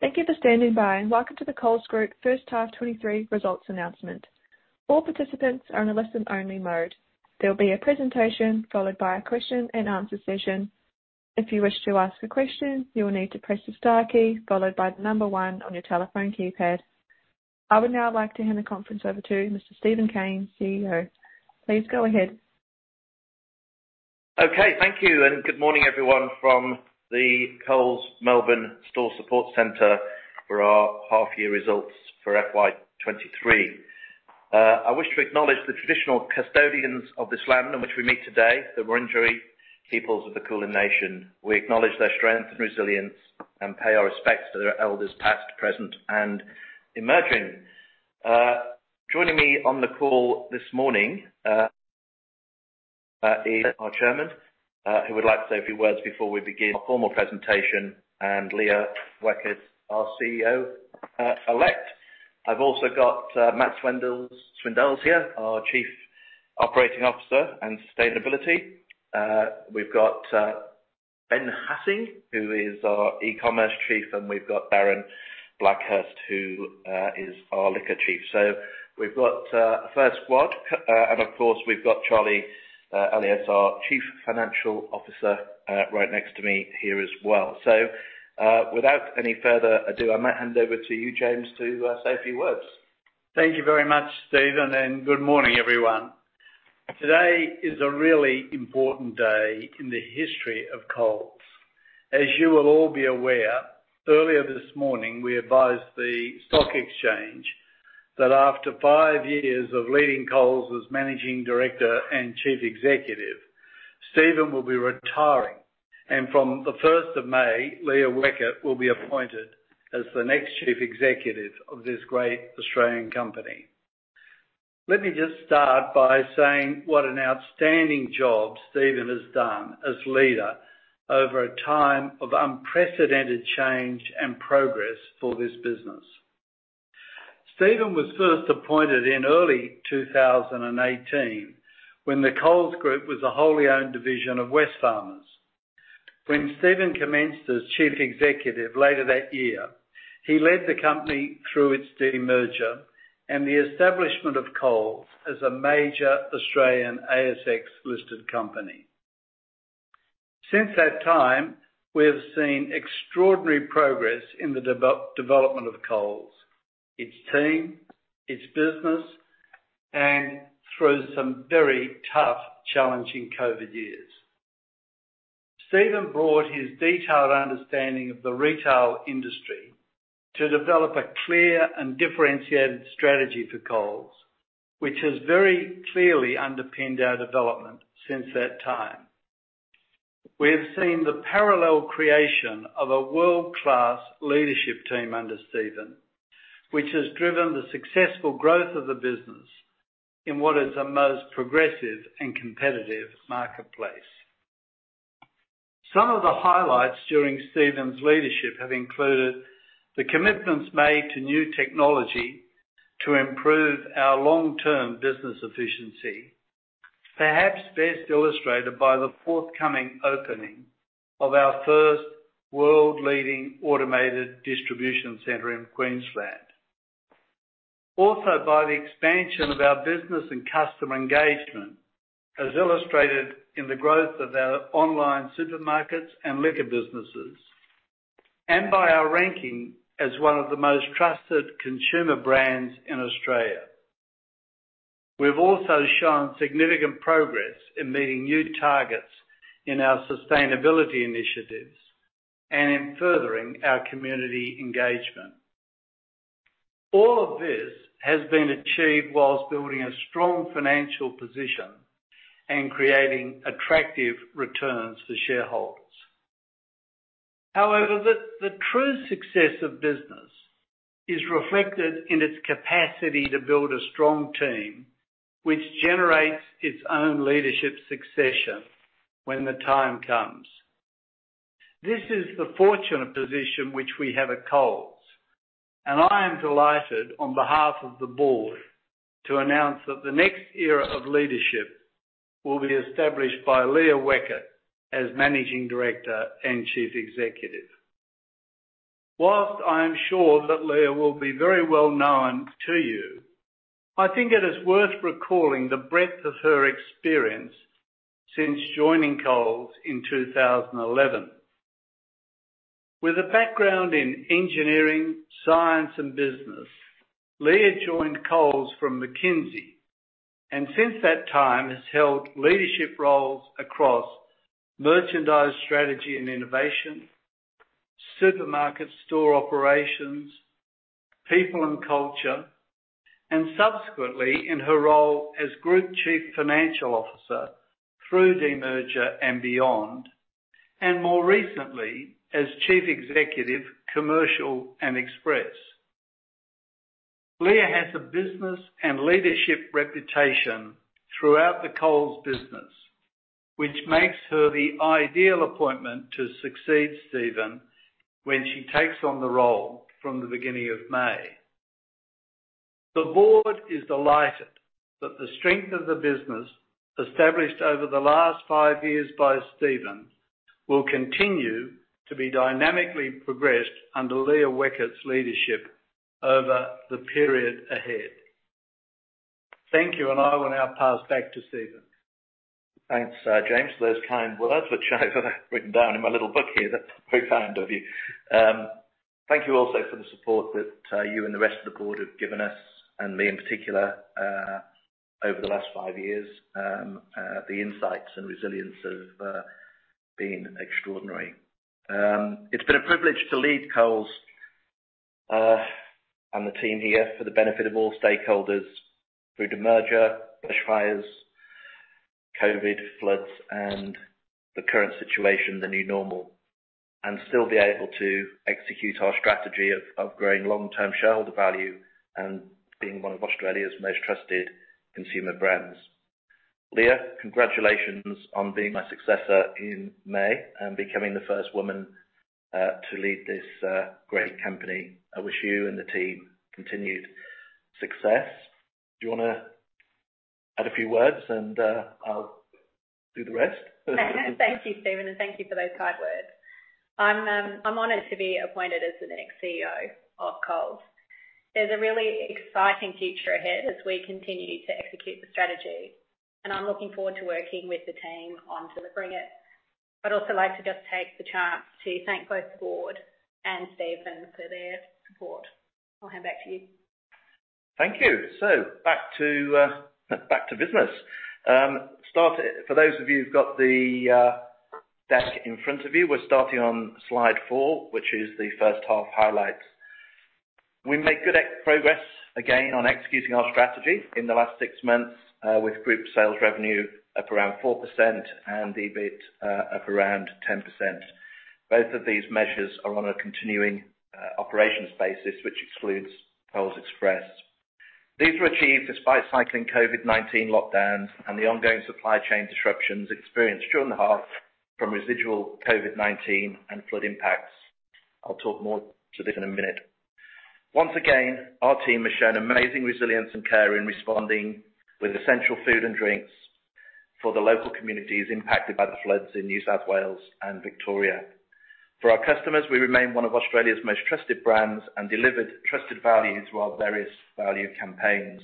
Thank you for standing by, and welcome to the Coles Group First Half 2023 Results Announcement. All participants are in a listen-only mode. There will be a presentation, followed by a question and answer session. If you wish to ask a question, you will need to press the star key, followed by the number 1 on your telephone keypad. I would now like to hand the conference over to Mr. Steven Cain, CEO. Please go ahead. Okay. Thank you, and good morning, everyone from the Coles Melbourne Store Support Center for our half year results for FY 2023. I wish to acknowledge the traditional custodians of this land on which we meet today, the Wurundjeri peoples of the Kulin Nation. We acknowledge their strength and resilience and pay our respects to their elders past, present, and emerging. Joining me on the call this morning is our Chairman, who would like to say a few words before we begin our formal presentation, and Leah Weckert, our CEO-elect. I've also got Matt Swindells, our Chief Operating Officer and Sustainability. We've got Ben Hassing, who is our E-commerce Chief, and we've got Darren Blackhurst, who is our Liquor Chief. We've got a fair squad, and of course, we've got Charlie Elias, our Chief Financial Officer, right next to me here as well. Without any further ado, I might hand over to you, James, to say a few words. Thank you very much, Steven, and good morning, everyone. Today is a really important day in the history of Coles. As you will all be aware, earlier this morning, we advised the stock exchange that after five years of leading Coles as Managing Director and Chief Executive, Steven will be retiring. From the 1st of May, Leah Weckert will be appointed as the next Chief Executive of this great Australian company. Let me just start by saying what an outstanding job Steven has done as leader over a time of unprecedented change and progress for this business. Steven was first appointed in early 2018 when the Coles Group was a wholly owned division of Wesfarmers. When Steven commenced as Chief Executive later that year, he led the company through its demerger and the establishment of Coles as a major Australian ASX-listed company. Since that time, we have seen extraordinary progress in the development of Coles, its team, its business, and through some very tough, challenging COVID years. Steven brought his detailed understanding of the retail industry to develop a clear and differentiated strategy for Coles, which has very clearly underpinned our development since that time. We have seen the parallel creation of a world-class leadership team under Steven, which has driven the successful growth of the business in what is the most progressive and competitive marketplace. Some of the highlights during Steven's leadership have included the commitments made to new technology to improve our long-term business efficiency, perhaps best illustrated by the forthcoming opening of our first world-leading automated distribution center in Queensland. Also by the expansion of our business and customer engagement, as illustrated in the growth of our online Supermarkets and Liquor businesses, and by our ranking as one of the most trusted consumer brands in Australia. We've also shown significant progress in meeting new targets in our sustainability initiatives and in furthering our community engagement. All of this has been achieved whilst building a strong financial position and creating attractive returns for shareholders. However, the true success of business is reflected in its capacity to build a strong team which generates its own leadership succession when the time comes. This is the fortunate position which we have at Coles, and I am delighted on behalf of the board to announce that the next era of leadership will be established by Leah Weckert as Managing Director and Chief Executive. I am sure that Leah will be very well-known to you, I think it is worth recalling the breadth of her experience since joining Coles in 2011. With a background in engineering, science, and business, Leah joined Coles from McKinsey, and since that time has held leadership roles across merchandise strategy and innovation, supermarket store operations, people and culture, and subsequently in her role as Group Chief Financial Officer through demerger and beyond, and more recently as Chief Executive, Commercial and Express. Leah has a business and leadership reputation throughout the Coles business, which makes her the ideal appointment to succeed Steven when she takes on the role from the beginning of May. The board is delighted that the strength of the business established over the last five years by Steven will continue to be dynamically progressed under Leah Weckert's leadership over the period ahead. Thank you. I will now pass back to Steven. Thanks, James, for those kind words, which I've written down in my little book here. That's very kind of you. Thank you also for the support that you and the rest of the board have given us and me in particular, over the last five years. The insights and resilience have been extraordinary. It's been a privilege to lead Coles and the team here for the benefit of all stakeholders through demerger, bushfires, COVID, floods, and the current situation, the new normal, and still be able to execute our strategy of growing long-term shareholder value and being one of Australia's most trusted consumer brands. Leah, congratulations on being my successor in May and becoming the first woman to lead this great company. I wish you and the team continued success. Do you wanna add a few words and I'll do the rest? Thank you, Steven, thank you for those kind words. I'm honored to be appointed as the next CEO of Coles. There's a really exciting future ahead as we continue to execute the strategy, and I'm looking forward to working with the team on delivering it. I'd also like to just take the chance to thank both the board and Steven for their support. I'll hand back to you. Thank you. Back to business. For those of you who've got the deck in front of you, we're starting on slide four, which is the first half highlights. We made good progress again on executing our strategy in the last six months, with group sales revenue up around 4% and EBIT, up around 10%. Both of these measures are on a continuing operations basis, which excludes Coles Express. These were achieved despite cycling COVID-19 lockdowns and the ongoing supply chain disruptions experienced during the half from residual COVID-19 and flood impacts. I'll talk more to this in a minute. Once again, our team has shown amazing resilience and care in responding with essential food and drinks for the local communities impacted by the floods in New South Wales and Victoria. For our customers, we remain one of Australia's most trusted brands and delivered trusted value through our various value campaigns.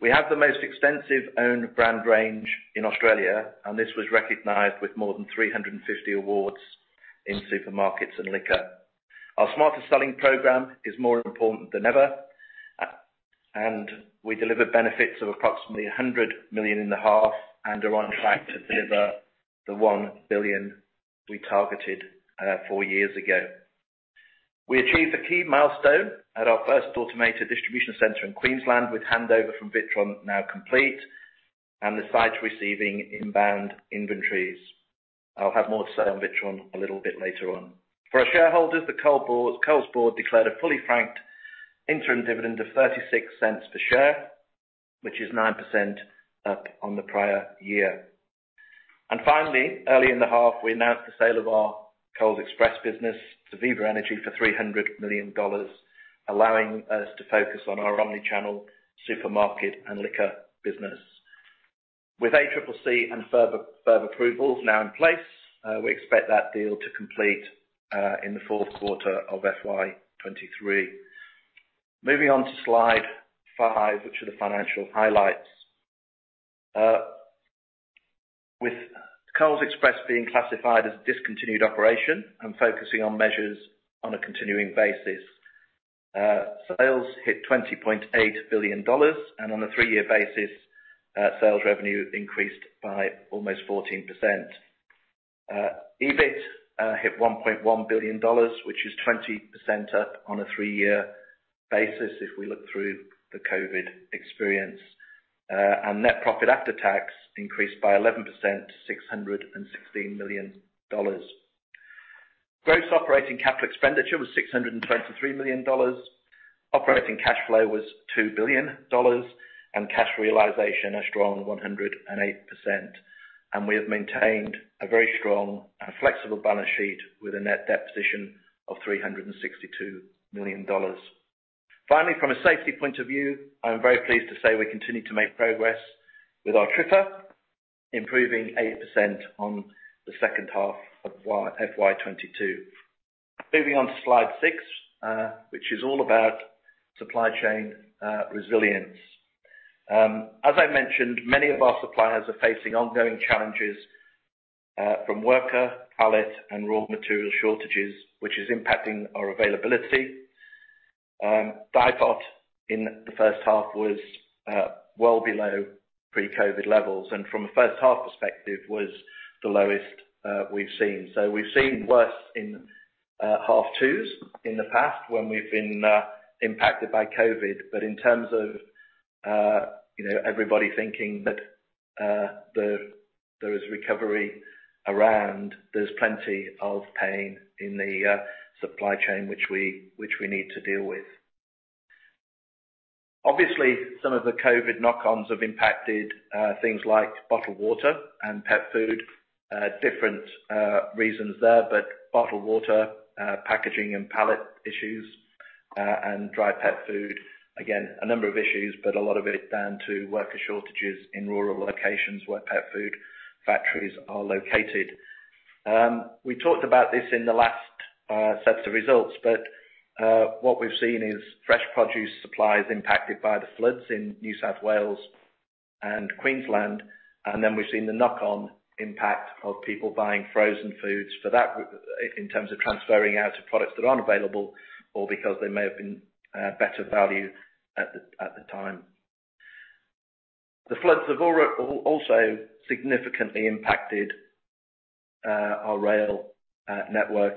We have the most extensive owned brand range in Australia, and this was recognized with more than 350 awards in Supermarkets and Liquor. Our Smarter Selling program is more important than ever, and we delivered benefits of approximately 100 million in the half and are on track to deliver the 1 billion we targeted four years ago. We achieved a key milestone at our first automated distribution center in Queensland, with handover from Witron now complete and the site receiving inbound inventories. I'll have more to say on Witron a little bit later on. For our shareholders, the Coles board declared a fully franked interim dividend of 0.36 per share, which is 9% up on the prior year. Finally, early in the half, we announced the sale of our Coles Express business to Viva Energy for 300 million dollars, allowing us to focus on our omni-channel Supermarket and Liquor business. With ACCC and FIRB approvals now in place, we expect that deal to complete in the fourth quarter of FY 2023. Moving on to slide five, which are the financial highlights. With Coles Express being classified as a discontinued operation and focusing on measures on a continuing basis, sales hit 20.8 billion dollars, and on a three-year basis, sales revenue increased by almost 14%. EBIT hit 1.1 billion dollars, which is 20% up on a three-year basis if we look through the COVID experience. Net profit after tax increased by 11% to 616 million dollars. Gross operating capital expenditure was 623 million dollars. Operating cash flow was 2 billion dollars, and cash realization a strong 108%. We have maintained a very strong and flexible balance sheet with a net debt position of 362 million dollars. Finally, from a safety point of view, I am very pleased to say we continue to make progress with our TRIFR, improving 8% on the second half of FY 2022. Moving on to slide six, which is all about supply chain resilience. As I mentioned, many of our suppliers are facing ongoing challenges from worker, pallet, and raw material shortages, which is impacting our availability. DIFOT in the first half was well below pre-COVID levels, and from a first half perspective was the lowest we've seen. We've seen worse in half twos in the past when we've been impacted by COVID. In terms of, you know, everybody thinking that there is recovery around, there's plenty of pain in the supply chain which we need to deal with. Obviously, some of the COVID knock-ons have impacted things like bottled water and pet food, different reasons there, but bottled water, packaging and pallet issues, and dry pet food. Again, a number of issues, but a lot of it is down to worker shortages in rural locations where pet food factories are located. We talked about this in the last sets of results, but what we've seen is fresh produce supplies impacted by the floods in New South Wales and Queensland. We've seen the knock-on impact of people buying frozen foods for that, in terms of transferring out to products that aren't available or because they may have been better value at the, at the time. The floods have also significantly impacted our rail network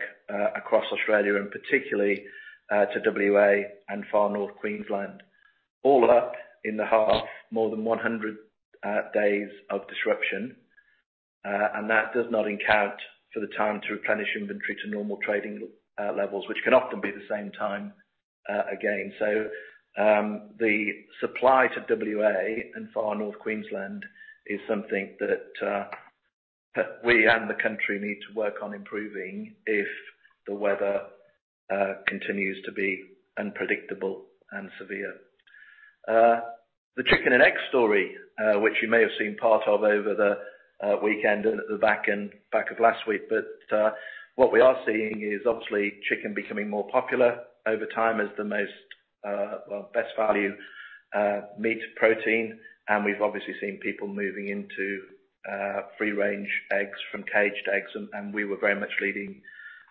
across Australia, and particularly to WA and Far North Queensland. All up in the half, more than 100 days of disruption. That does not account for the time to replenish inventory to normal trading levels, which can often be the same time again. The supply to WA and Far North Queensland is something that we and the country need to work on improving if the weather continues to be unpredictable and severe. The chicken and egg story, which you may have seen part of over the weekend and at the back of last week. What we are seeing is obviously chicken becoming more popular over time as the most or best value meat protein. We've obviously seen people moving into free-range eggs from caged eggs, we were very much leading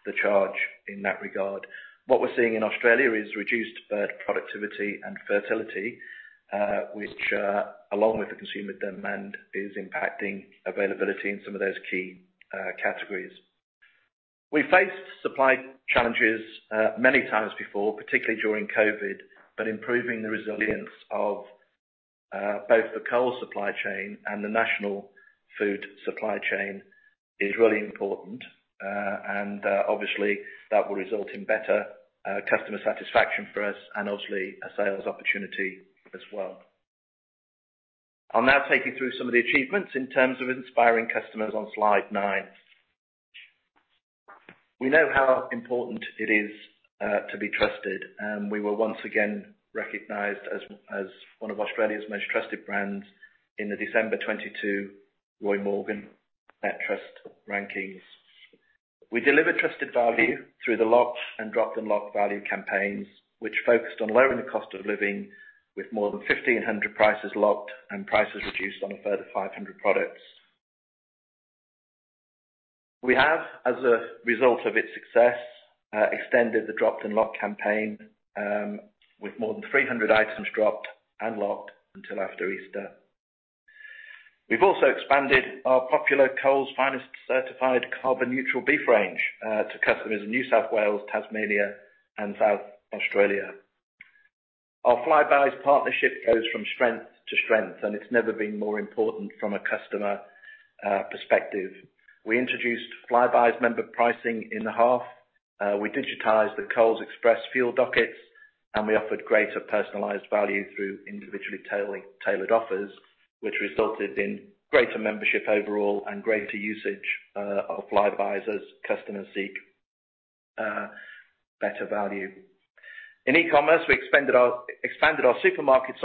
the charge in that regard. What we're seeing in Australia is reduced bird productivity and fertility, which along with the consumer demand, is impacting availability in some of those key categories. We faced supply challenges many times before, particularly during COVID, but improving the resilience of both the Coles supply chain and the national food supply chain is really important. Obviously, that will result in better customer satisfaction for us and obviously a sales opportunity as well. I'll now take you through some of the achievements in terms of inspiring customers on slide nine. We know how important it is to be trusted, we were once again recognized as one of Australia's most trusted brands in the December 2022 Roy Morgan Net Trust rankings. We delivered trusted value through the Locked and Dropped & Locked value campaigns, which focused on lowering the cost of living with more than 1,500 prices locked and prices reduced on a further 500 products. We have, as a result of its success, extended the Dropped & Locked campaign, with more than 300 items dropped and locked until after Easter. We've also expanded our popular Coles Finest Certified carbon-neutral beef range to customers in New South Wales, Tasmania, and South Australia. Our Flybuys partnership goes from strength to strength. It's never been more important from a customer perspective. We introduced Flybuys member pricing in the half. We digitized the Coles Express fuel dockets, and we offered greater personalized value through individually tailored offers, which resulted in greater membership overall and greater usage of Flybuys as customers seek better value. In e-commerce, we expanded our Supermarket's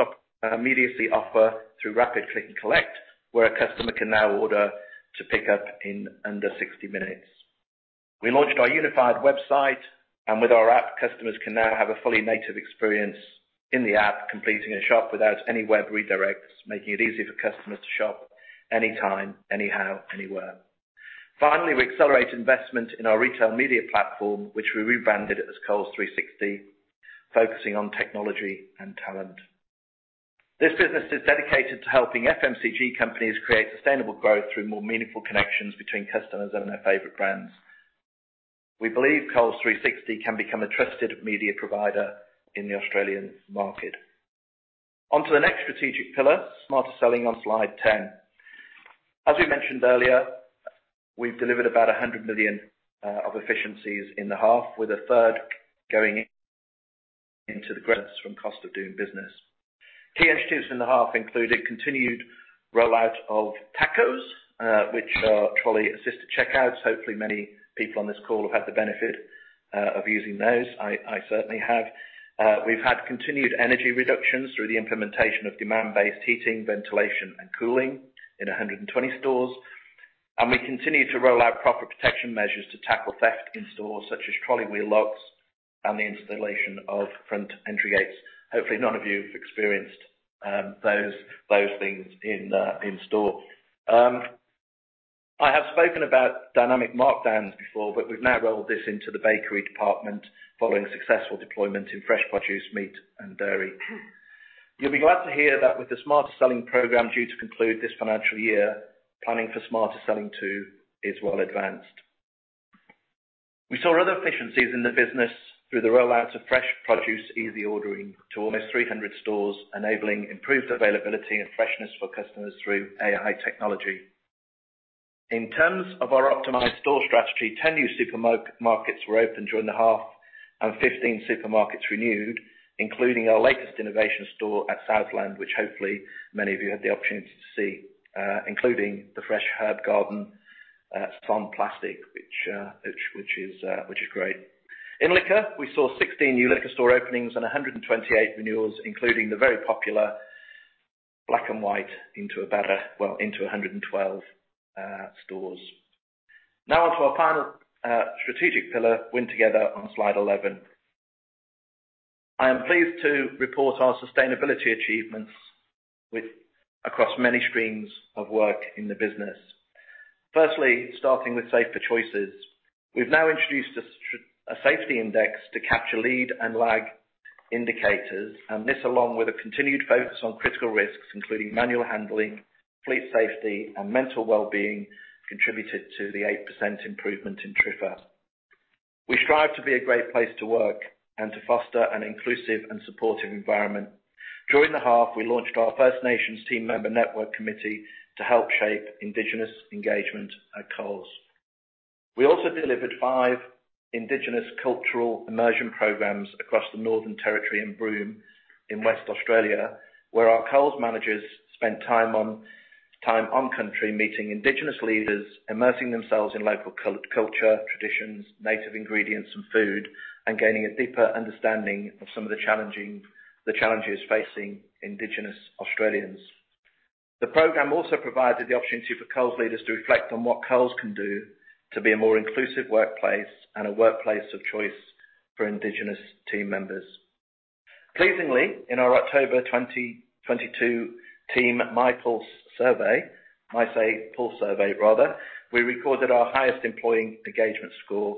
immediacy offer through Rapid Click & Collect, where a customer can now order to pick up in under 60 minutes. We launched our unified website, and with our app, customers can now have a fully native experience in the app, completing a shop without any web redirects, making it easy for customers to shop anytime, anyhow, anywhere. Finally, we accelerated investment in our retail media platform, which we rebranded as Coles 360, focusing on technology and talent. This business is dedicated to helping FMCG companies create sustainable growth through more meaningful connections between customers and their favorite brands. We believe Coles 360 can become a trusted media provider in the Australian market. Onto the next strategic pillar, Smarter Selling on slide 10. As we mentioned earlier, we've delivered about 100 million of efficiencies in the half, with a third going into the grants from cost of doing business. Key initiatives in the half included continued rollout of TACOs, which are Trolley Assisted Check Outs. Hopefully, many people on this call have had the benefit of using those. I certainly have. We've had continued energy reductions through the implementation of demand-based heating, ventilation, and cooling in 120 stores. We continue to roll out proper protection measures to tackle theft in stores such as trolley wheel locks and the installation of front entry gates. Hopefully, none of you have experienced those things in store. I have spoken about dynamic markdowns before, we've now rolled this into the bakery department following successful deployment in fresh produce, meat, and dairy. You'll be glad to hear that with the Smarter Selling program due to conclude this financial year, planning for Smarter Selling 2 is well advanced. We saw other efficiencies in the business through the rollout of fresh produce easy ordering to almost 300 stores, enabling improved availability and freshness for customers through AI technology. In terms of our optimized store strategy, 10 new supermarkets were opened during the half and 15 supermarkets renewed. Including our latest innovation store at Southland, which hopefully many of you had the opportunity to see, including the fresh herb garden, [stom plastic], which is great. In Liquor, we saw 16 new Liquor store openings and 128 renewals, including the very popular Black and White into 112 stores. On to our final strategic pillar, Win Together on slide 11. I am pleased to report our sustainability achievements across many streams of work in the business. Firstly, starting with Safer Choices. We've now introduced a safety index to capture lead and lag indicators. This along with a continued focus on critical risks, including manual handling, fleet safety, and mental well-being, contributed to the 8% improvement in TRIFR. We strive to be a great place to work and to foster an inclusive and supportive environment. During the half, we launched our First Nations team member network committee to help shape Indigenous engagement at Coles. We also delivered five Indigenous Cultural Immersion programs across the Northern Territory in Broome in West Australia, where our Coles managers spent time on country meeting Indigenous leaders, immersing themselves in local culture, traditions, native ingredients and food, and gaining a deeper understanding of some of the challenges facing Indigenous Australians. The program also provided the opportunity for Coles leaders to reflect on what Coles can do to be a more inclusive workplace and a workplace of choice for indigenous team members. Pleasingly, in our October 2022 team myPulse survey, My Safe Pulse survey rather, we recorded our highest employee engagement score,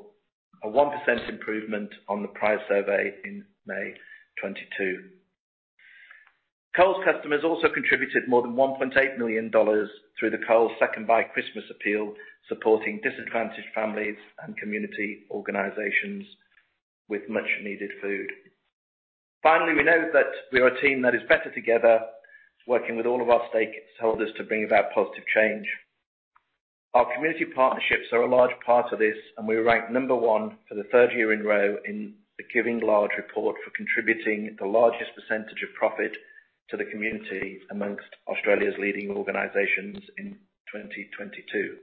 a 1% improvement on the prior survey in May 2022. Coles customers also contributed more than 1.8 million dollars through the Coles SecondBite Christmas Appeal, supporting disadvantaged families and community organizations with much needed food. Finally, we know that we are a team that is better together, working with all of our stakeholders to bring about positive change. Our community partnerships are a large part of this. We ranked number one for the third year in a row in the GivingLarge report for contributing the largest percentage of profit to the community amongst Australia's leading organizations in 2022.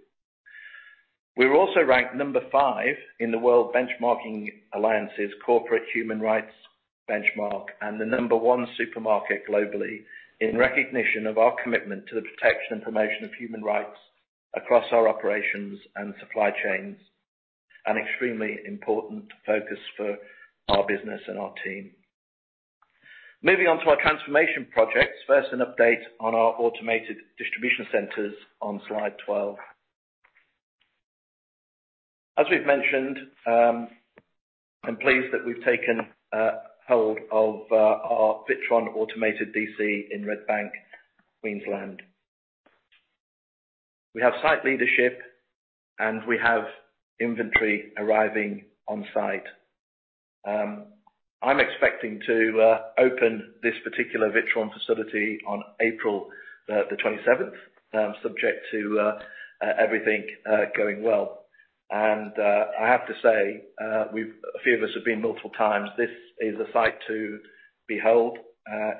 We were also ranked number five in the World Benchmarking Alliance's corporate human rights benchmark, and the number one supermarket globally in recognition of our commitment to the protection and promotion of human rights across our operations and supply chains, an extremely important focus for our business and our team. Moving on to our transformation projects. First, an update on our automated distribution centers on slide 12. As we've mentioned, I'm pleased that we've taken hold of our Witron automated DC in Redbank, Queensland. We have site leadership and we have inventory arriving on site. I'm expecting to open this particular Witron facility on April 27th, subject to everything going well. I have to say, a few of us have been multiple times. This is a site to behold.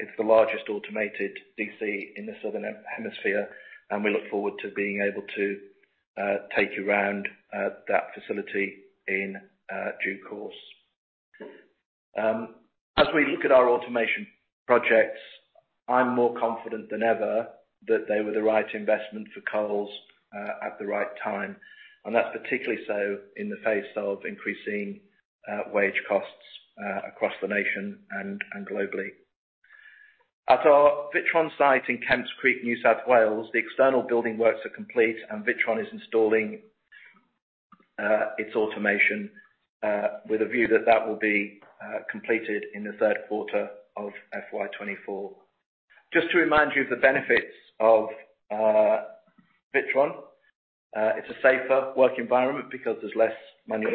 It's the largest automated DC in the Southern Hemisphere, and we look forward to being able to take you around that facility in due course. As we look at our automation projects, I'm more confident than ever that they were the right investment for Coles at the right time. That's particularly so in the face of increasing wage costs across the nation and globally. At our Witron site in Kemps Creek, New South Wales, the external building works are complete and Witron is installing its automation with a view that that will be completed in the third quarter of FY 2024. Just to remind you of the benefits of Witron. It's a safer work environment because there's less manual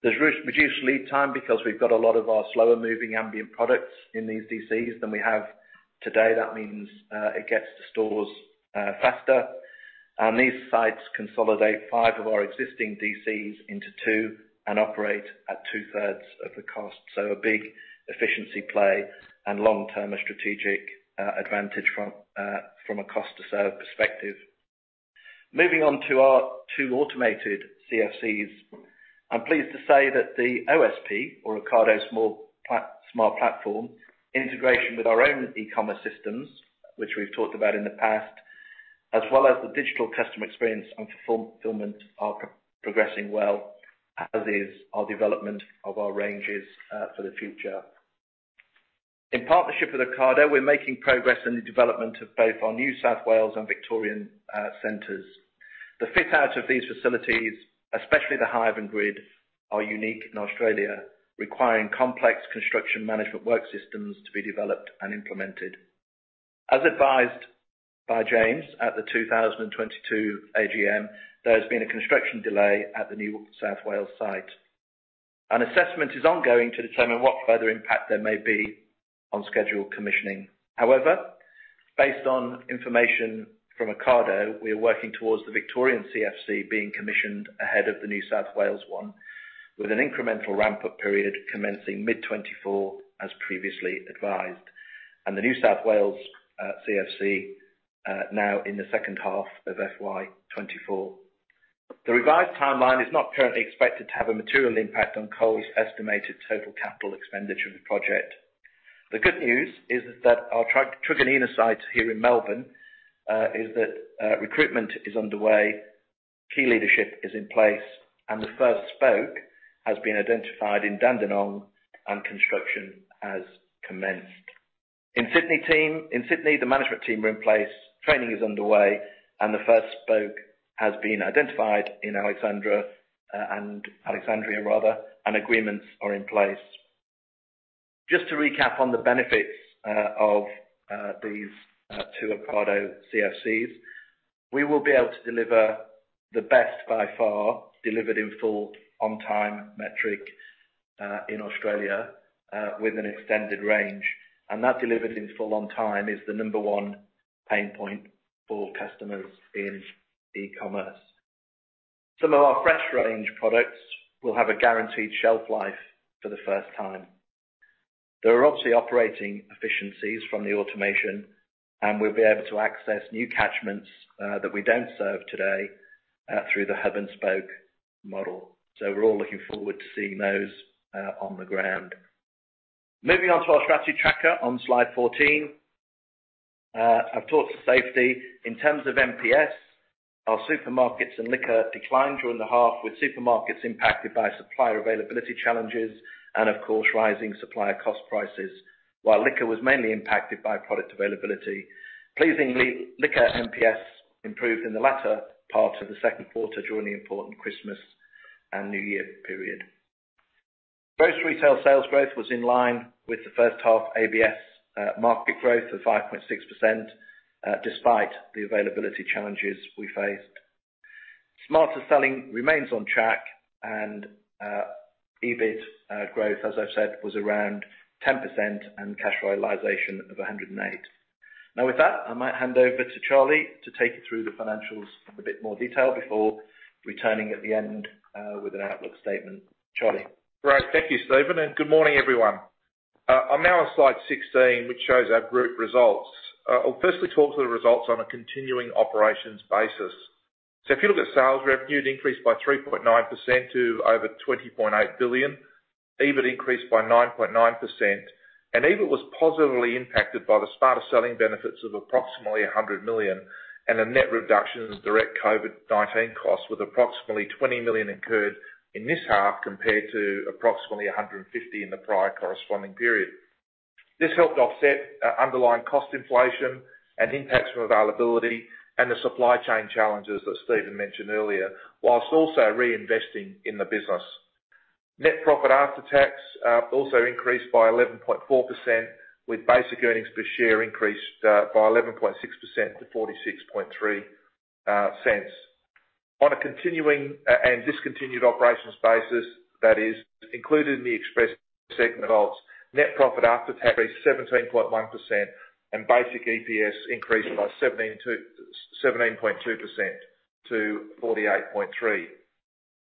handling. There's reduced lead time because we've got a lot of our slower-moving ambient products in these DCs than we have today. That means it gets to stores faster. These sites consolidate five of our existing DCs into two and operate at two-thirds of the cost. A big efficiency play and long-term strategic advantage from a cost to serve perspective. Moving on to our two automated CFCs. I'm pleased to say that the OSP, or Ocado Smart Platform, integration with our own e-commerce systems, which we've talked about in the past, as well as the digital customer experience and fulfillment are progressing well, as is our development of our ranges for the future. In partnership with Ocado, we're making progress in the development of both our New South Wales and Victorian centers. The fit out of these facilities, especially the hive and grid, are unique in Australia, requiring complex construction management work systems to be developed and implemented. As advised by James at the 2022 AGM, there has been a construction delay at the New South Wales site. An assessment is ongoing to determine what further impact there may be on schedule commissioning. Based on information from Ocado, we are working towards the Victorian CFC being commissioned ahead of the New South Wales one, with an incremental ramp-up period commencing mid-2024 as previously advised, and the New South Wales CFC now in the second half of FY 2024. The revised timeline is not currently expected to have a material impact on Coles' estimated total capital expenditure of the project. The good news is that our Truganina sites here in Melbourne is that recruitment is underway, key leadership is in place, and the first spoke has been identified in Dandenong and construction has commenced. In Sydney, the management team were in place, training is underway, and the first spoke has been identified in Alexandra, and Alexandria, rather, and agreements are in place. Just to recap on the benefits of these two Ocado CFCs, we will be able to deliver the best by far, delivered in full on time metric in Australia with an extended range. That delivered in full on time is the number one pain point for customers in e-commerce. Some of our fresh range products will have a guaranteed shelf life for the first time. There are obviously operating efficiencies from the automation, and we'll be able to access new catchments that we don't serve today through the hub and spoke model. We're all looking forward to seeing those on the ground. Moving on to our strategy tracker on slide 14. I've talked to safety. In terms of MPS, our Supermarkets and Liquor declined during the half, with Supermarkets impacted by supplier availability challenges and of course, rising supplier cost prices. While Liquor was mainly impacted by product availability. Pleasingly, Liquor MPS improved in the latter part of the second quarter during the important Christmas and New Year period. Gross retail sales growth was in line with the first half ABS market growth of 5.6% despite the availability challenges we faced. Smarter Selling remains on track and EBIT growth, as I've said, was around 10% and cash realization of 108. Now with that, I might hand over to Charlie to take you through the financials in a bit more detail before returning at the end with an outlook statement. Charlie. Great. Thank you, Steven. Good morning, everyone. I'm now on slide 16, which shows our group results. I'll firstly talk to the results on a continuing operations basis. If you look at sales revenue, it increased by 3.9% to over 20.8 billion. EBIT increased by 9.9%. EBIT was positively impacted by the Smarter Selling benefits of approximately 100 million and a net reduction in direct COVID-19 costs, with approximately 20 million incurred in this half compared to approximately 150 million in the prior corresponding period. This helped offset underlying cost inflation and impacts from availability and the supply chain challenges that Steven mentioned earlier, whilst also reinvesting in the business. Net profit after tax also increased by 11.4%, with basic earnings per share increased by 11.6% to 0.463. On a continuing and discontinued operations basis that is included in the Coles Express segment results. Net profit after tax is 17.1% and basic EPS increased by 17.2% to 0.483.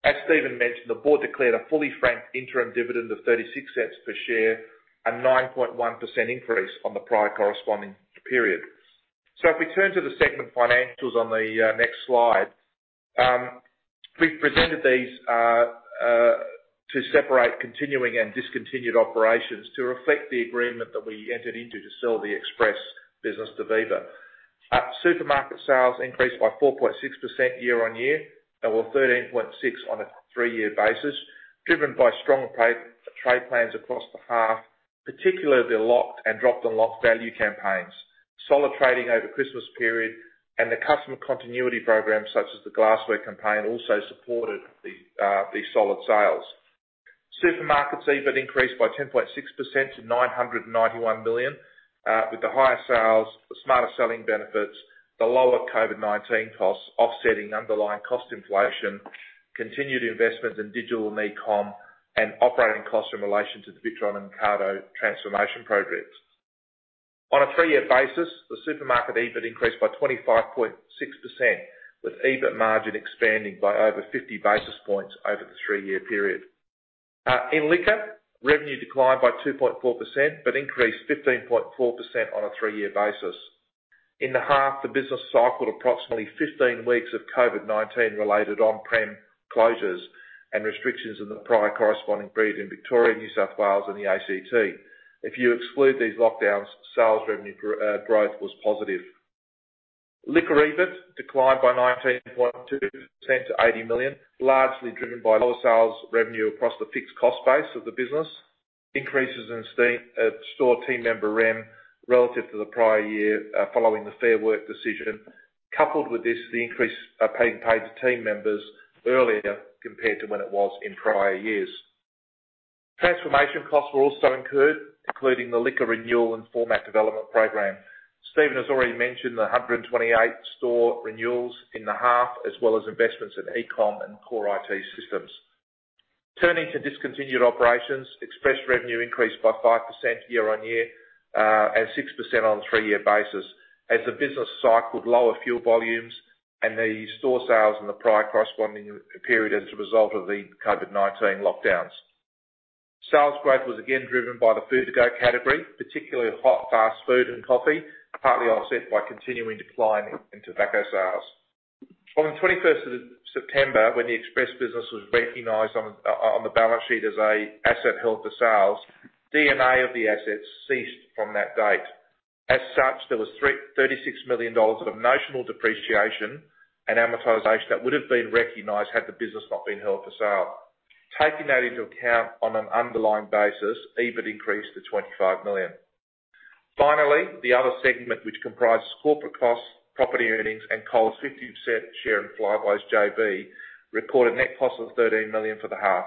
As Steven Cain mentioned, the board declared a fully franked interim dividend of 0.36 per share, a 9.1% increase on the prior corresponding period. If we turn to the segment financials on the next slide, we've presented these to separate continuing and discontinued operations to reflect the agreement that we entered into to sell the Coles Express business to Viva Energy. Supermarket sales increased by 4.6% year-over-year and were 13.6% on a three-year basis, driven by strong trade plans across the half, particularly the locked and dropped unlocked value campaigns. Solid trading over Christmas period and the customer continuity programs such as the glassware campaign, also supported the solid sales. Supermarkets EBIT increased by 10.6% to 991 million with the higher sales, the Smarter Selling benefits, the lower COVID-19 costs offsetting underlying cost inflation, continued investments in digital and e-com and operating costs in relation to the Witron and Ocado transformation programs. On a three-year basis, the Supermarket EBIT increased by 25.6%, with EBIT margin expanding by over 50 basis points over the three-year period. In Liquor, revenue declined by 2.4%, increased 15.4% on a three-year basis. In the half, the business cycled approximately 15 weeks of COVID-19 related on-prem closures and restrictions in the prior corresponding period in Victoria, New South Wales and the ACT. If you exclude these lockdowns, sales revenue growth was positive. Liquor EBIT declined by 19.2% to 80 million, largely driven by lower sales revenue across the fixed cost base of the business, increases in store team member REM relative to the prior year, following the Fair Work decision. Coupled with this, the increase paid to team members earlier compared to when it was in prior years. Transformation costs were also incurred, including the Liquor renewal and format development program. Steven has already mentioned the 128 store renewals in the half, as well as investments in e-com and core IT systems. Turning to discontinued operations, Express revenue increased by 5% year-on-year, and 6% on three-year basis as the business cycled lower fuel volumes and the store sales in the prior corresponding period as a result of the COVID-19 lockdowns. Sales growth was again driven by the food-to-go category, particularly hot, fast food and coffee, partly offset by continuing decline in tobacco sales. On the 21st of September, when the Express business was recognized on the balance sheet as a asset held for sales, D&A of the assets ceased from that date. As such, there was 36 million dollars of notional depreciation and amortization that would have been recognized had the business not been held for sale. Taking that into account on an underlying basis, EBIT increased to 25 million. The other segment which comprises corporate costs, property earnings, and Coles' 50% share in Flybuys JV, recorded net cost of 13 million for the half.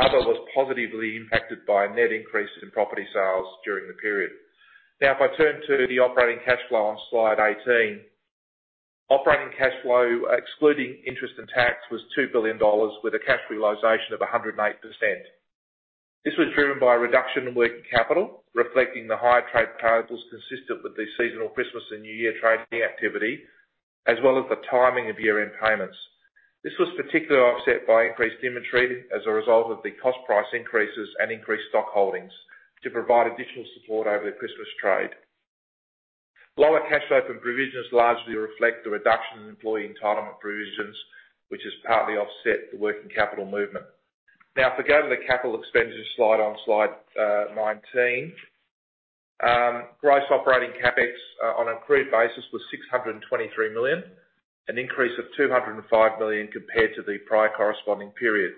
Other was positively impacted by a net increase in property sales during the period. If I turn to the operating cash flow on slide 18. Operating cash flow, excluding interest and tax, was 2 billion dollars with a cash realization of 108%. This was driven by a reduction in working capital, reflecting the high trade payables consistent with the seasonal Christmas and New Year trading activity, as well as the timing of year-end payments. This was particularly offset by increased inventory as a result of the cost price increases and increased stock holdings to provide additional support over the Christmas trade. Lower cash open provisions largely reflect the reduction in employee entitlement provisions, which has partly offset the working capital movement. If we go to the capital expenditure slide on slide 19, gross operating CapEx on an accrued basis was 623 million, an increase of 205 million compared to the prior corresponding period.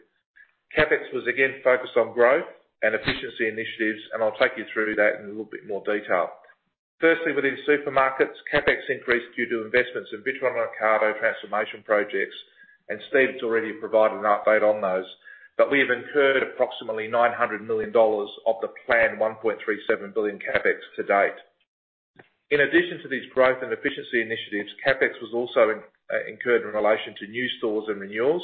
CapEx was again focused on growth and efficiency initiatives, and I'll take you through that in a little bit more detail. Firstly, within Supermarkets, CapEx increased due to investments in Big One and Ocado transformation projects, and Steven's already provided an update on those. We have incurred approximately 900 million dollars of the planned 1.37 billion CapEx to date. In addition to these growth and efficiency initiatives, CapEx was also incurred in relation to new stores and renewals,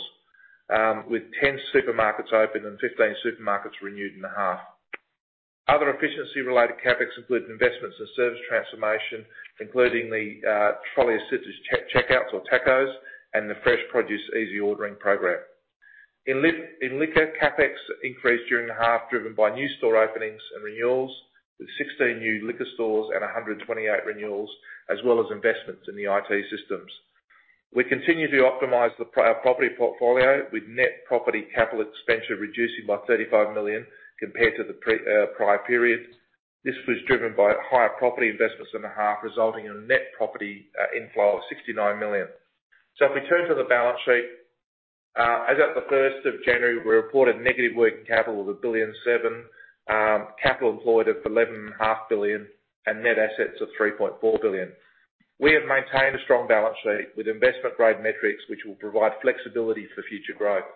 with 10 supermarkets open and 15 supermarkets renewed in the half. Other efficiency-related CapEx include investments in service transformation, including the trolley-assisted checkouts or TACOs and the fresh produce easy ordering program. In Liquor, CapEx increased during the half, driven by new store openings and renewals, with 16 new Liquor stores and 128 renewals, as well as investments in the IT systems. We continue to optimize the property portfolio, with net property capital expenditure reducing by 35 million compared to the prior period. This was driven by higher property investments in the half, resulting in a net property inflow of 69 million. If we turn to the balance sheet, as at the 1st of January, we reported negative working capital of 1,000,000,007, capital employed of 11.5 billion, and net assets of 3.4 billion. We have maintained a strong balance sheet with investment-grade metrics, which will provide flexibility for future growth.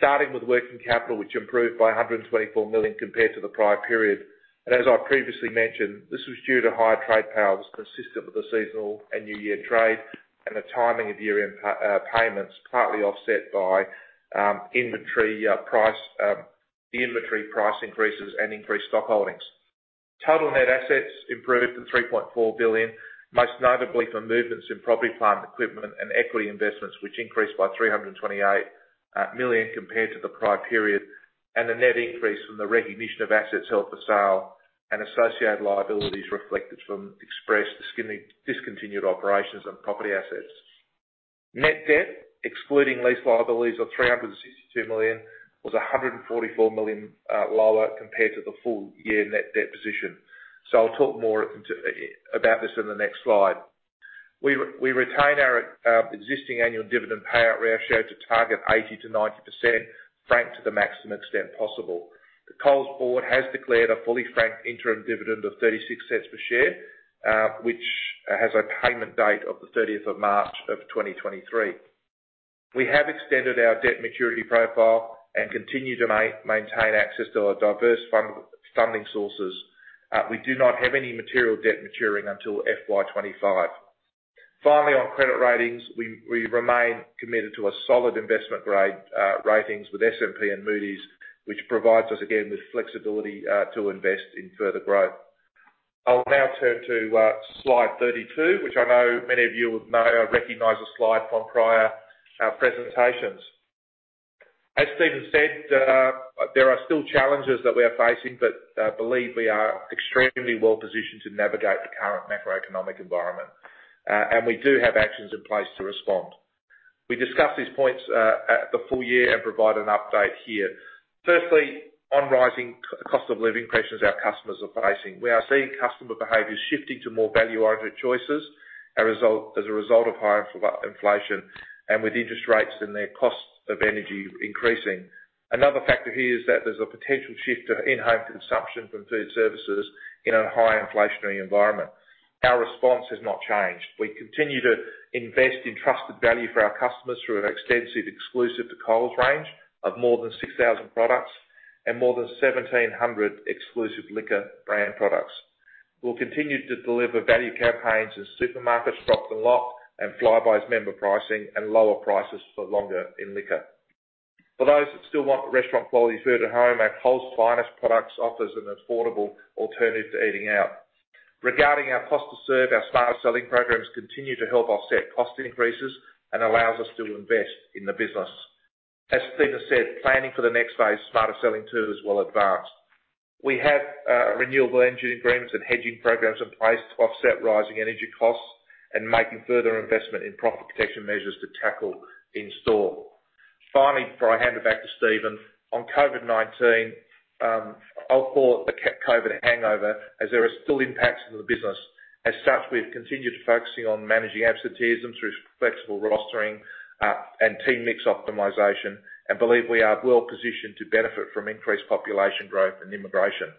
Starting with working capital, which improved by 124 million compared to the prior period. As I previously mentioned, this was due to higher trade payables consistent with the seasonal and New Year trade and the timing of year-end payments, partly offset by inventory price, the inventory price increases and increased stock holdings. Total net assets improved to 3.4 billion, most notably for movements in property, plant, and equipment and equity investments, which increased by 328 million compared to the prior period. The net increase from the recognition of assets held for sale and associated liabilities reflected from Express discontinued operations and property assets. Net debt, excluding lease liabilities of 362 million, was 144 million lower compared to the full year net debt position. I'll talk more about this in the next slide. We retain our existing annual dividend payout ratio to target 80%-90%, franked to the maximum extent possible. The Coles Board has declared a fully franked interim dividend of 0.36 per share, which has a payment date of the 30th of March 2023. We have extended our debt maturity profile and continue to maintain access to our diverse funding sources. We do not have any material debt maturing until FY 2025. Finally, on credit ratings, we remain committed to a solid investment grade ratings with S&P and Moody's, which provides us again with flexibility to invest in further growth. I'll now turn to slide 32, which I know many of you would know or recognize the slide from prior presentations. As Steven said, there are still challenges that we are facing, but I believe we are extremely well positioned to navigate the current macroeconomic environment. We do have actions in place to respond. We discussed these points at the full year and provide an update here. Firstly, on rising cost of living pressures our customers are facing. We are seeing customer behaviors shifting to more value-oriented choices, as a result of higher inflation and with interest rates and their costs of energy increasing. Another factor here is that there's a potential shift of in-home consumption from food services in a high inflationary environment. Our response has not changed. We continue to invest in trusted value for our customers through an extensive exclusive to Coles range of more than 6,000 products and more than 1,700 Exclusive Liquor Brand products. We'll continue to deliver value campaigns in Supermarkets, Drop the Lot, and Flybuys member pricing, and lower prices for longer in Liquor. For those that still want restaurant quality food at home, our Coles Finest products offers an affordable alternative to eating out. Regarding our cost to serve, our Smarter Selling programs continue to help offset cost increases and allows us to invest in the business. As Steven said, planning for the next phase, Smarter Selling 2.0, is well advanced. We have renewable energy agreements and hedging programs in place to offset rising energy costs and making further investment in proper protection measures to tackle in store. Finally, before I hand it back to Steven, on COVID-19, I'll call it the C-COVID hangover, as there are still impacts on the business. We've continued focusing on managing absenteeism through flexible rostering and team mix optimization, and believe we are well-positioned to benefit from increased population growth and immigration.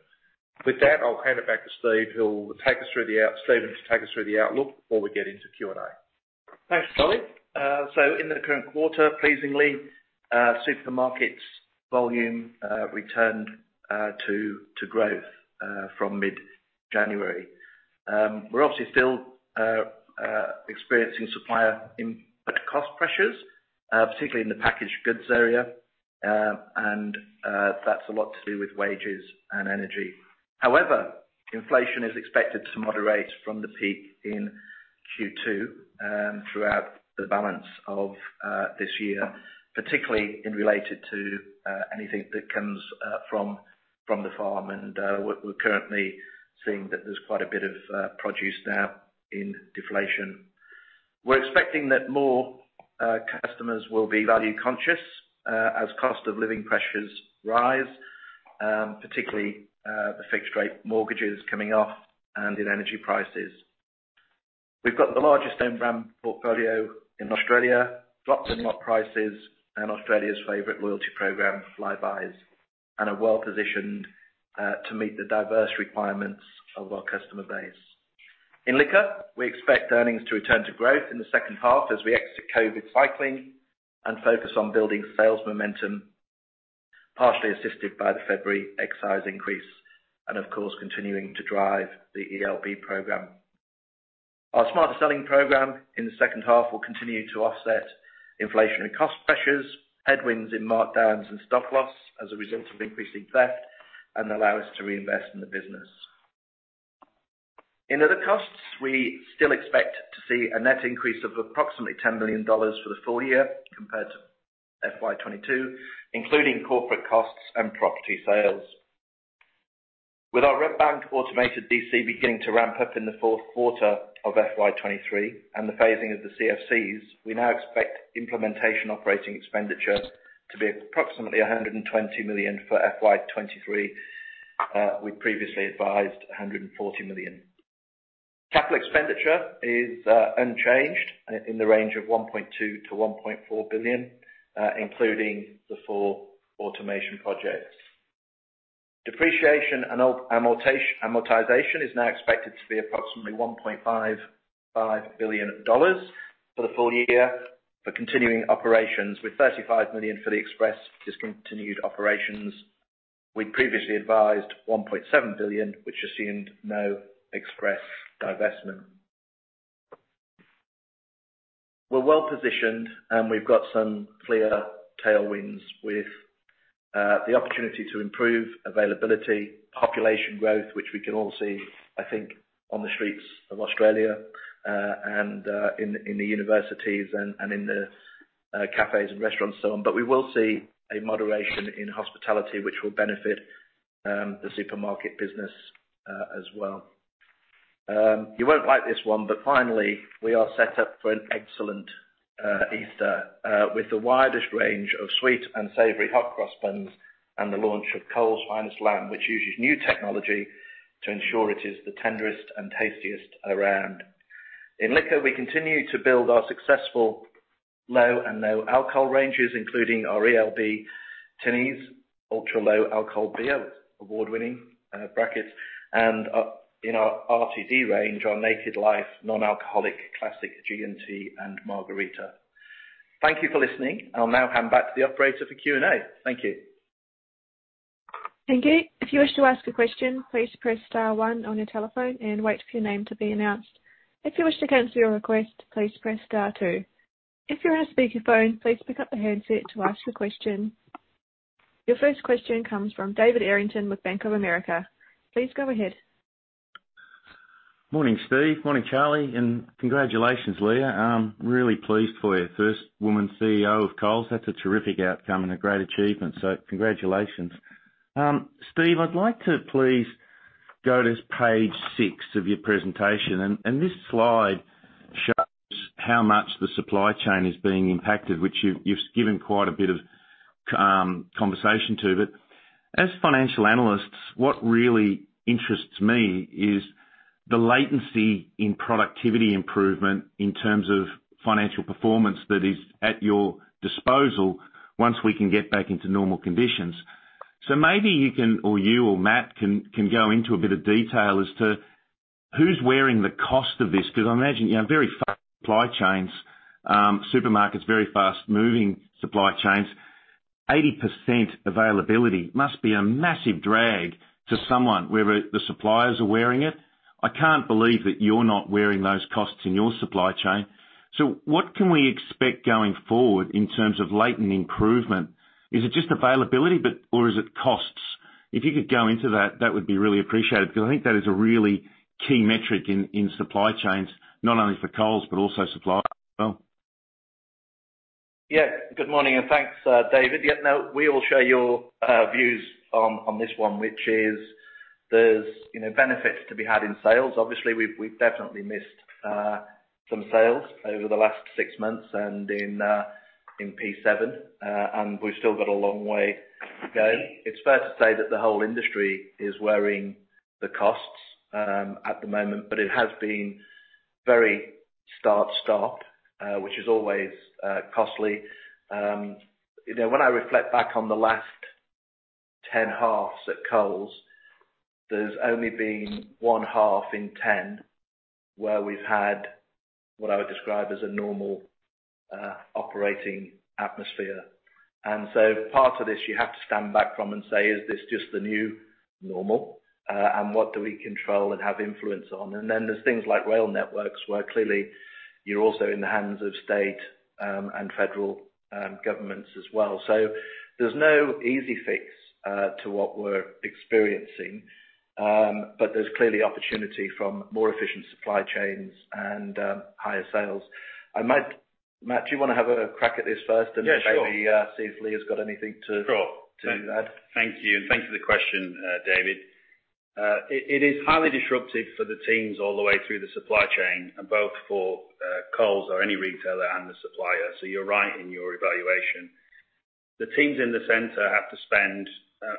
I'll hand it back to Steven, to take us through the outlook before we get into Q&A. Thanks, Charlie Elias. In the current quarter, pleasingly, Supermarkets volume returned to growth from mid-January. We're obviously still experiencing supplier input cost pressures, particularly in the packaged goods area, and that's a lot to do with wages and energy. However, inflation is expected to moderate from the peak in Q2 throughout the balance of this year, particularly in related to anything that comes from the farm. We're currently seeing that there's quite a bit of produce now in deflation. We're expecting that more customers will be value-conscious as cost of living pressures rise, particularly the fixed rate mortgages coming off and in energy prices. We've got the largest own brand portfolio in Australia, Drop the Lot prices, and Australia's favorite loyalty program, Flybuys, and are well-positioned to meet the diverse requirements of our customer base. In Liquor, we expect earnings to return to growth in the second half as we exit COVID cycling and focus on building sales momentum, partially assisted by the February excise increase and of course continuing to drive the ELB program. Our Smarter Selling program in the second half will continue to offset inflationary cost pressures, headwinds in markdowns and stock loss as a result of increasing theft, and allow us to reinvest in the business. In other costs, we still expect to see a net increase of approximately 10 million dollars for the full year compared to FY 2022, including corporate costs and property sales. With our Redbank automated DC beginning to ramp up in the fourth quarter of FY 2023 and the phasing of the CFCs, we now expect implementation operating expenditures to be approximately 120 million for FY 2023. We previously advised 140 million. Capital expenditure is unchanged in the range of 1.2 billion-1.4 billion, including the four automation projects. Depreciation and amortization is now expected to be approximately 1.55 billion dollars for the full year for continuing operations, with 35 million for the Express discontinued operations. We previously advised 1.7 billion, which assumed no Express divestment. We're well-positioned, and we've got some clear tailwinds with the opportunity to improve availability, population growth, which we can all see, I think, on the streets of Australia, and in the universities and in the cafes and restaurants so on. We will see a moderation in hospitality, which will benefit the Supermarket business as well. You won't like this one, finally, we are set up for an excellent Easter with the widest range of sweet and savory hot cross buns and the launch of Coles Finest Lamb, which uses new technology to ensure it is the tenderest and tastiest around. In Liquor, we continue to build our successful low and no alcohol ranges, including our ELB tinnies, ultra-low alcohol beer with award-winning, brackets, and in our RTD range, our Naked Life non-alcoholic classic G&T and margarita. Thank you for listening. I'll now hand back to the operator for Q&A. Thank you. Thank you. If you wish to ask a question, please press star one on your telephone and wait for your name to be announced. If you wish to cancel your request, please press star two. If you're on a speakerphone, please pick up the handset to ask your question. Your first question comes from David Errington with Bank of America. Please go ahead. Morning, Steve. Morning, Charlie. Congratulations, Leah. I'm really pleased for you. First woman CEO of Coles. That's a terrific outcome and a great achievement. Congratulations. Steve, I'd like to please go to page six of your presentation, and this slide shows how much the supply chain is being impacted, which you've given quite a bit of conversation to. As financial analysts, what really interests me is the latency in productivity improvement in terms of financial performance that is at your disposal once we can get back into normal conditions. Maybe you can, or you or Matt can go into a bit of detail as to who's wearing the cost of this. 'Cause I imagine, you know, very fast supply chains, Supermarkets, very fast-moving supply chains. 80% availability must be a massive drag to someone, whether the suppliers are wearing it. I can't believe that you're not wearing those costs in your supply chain. What can we expect going forward in terms of latent improvement? Is it just availability? Is it costs? If you could go into that would be really appreciated, because I think that is a really key metric in supply chains, not only for Coles but also suppliers as well. Yeah. Good morning and thanks, David. Yeah, no, we all share your views on this one, which is there's, you know, benefits to be had in sales. Obviously, we've definitely missed some sales over the last six months and in P7, and we've still got a long way to go. It's fair to say that the whole industry is wearing the costs at the moment, but it has been very start-stop, which is always costly. You know, when I reflect back on the last 10 halves at Coles, there's only been 1 half in 10 where we've had what I would describe as a normal operating atmosphere. Part of this, you have to stand back from and say, "Is this just the new normal?" And what do we control and have influence on? Then there's things like rail networks, where clearly you're also in the hands of state and federal governments as well. There's no easy fix to what we're experiencing, but there's clearly opportunity from more efficient supply chains and higher sales. Matt, do you wanna have a crack at this first and? Yeah, sure. ...maybe, see if Leah's got anything to- Sure. to add. Thank you. Thanks for the question, David. It is highly disruptive for the teams all the way through the supply chain, both for Coles or any retailer and the supplier, so you're right in your evaluation. The teams in the center have to spend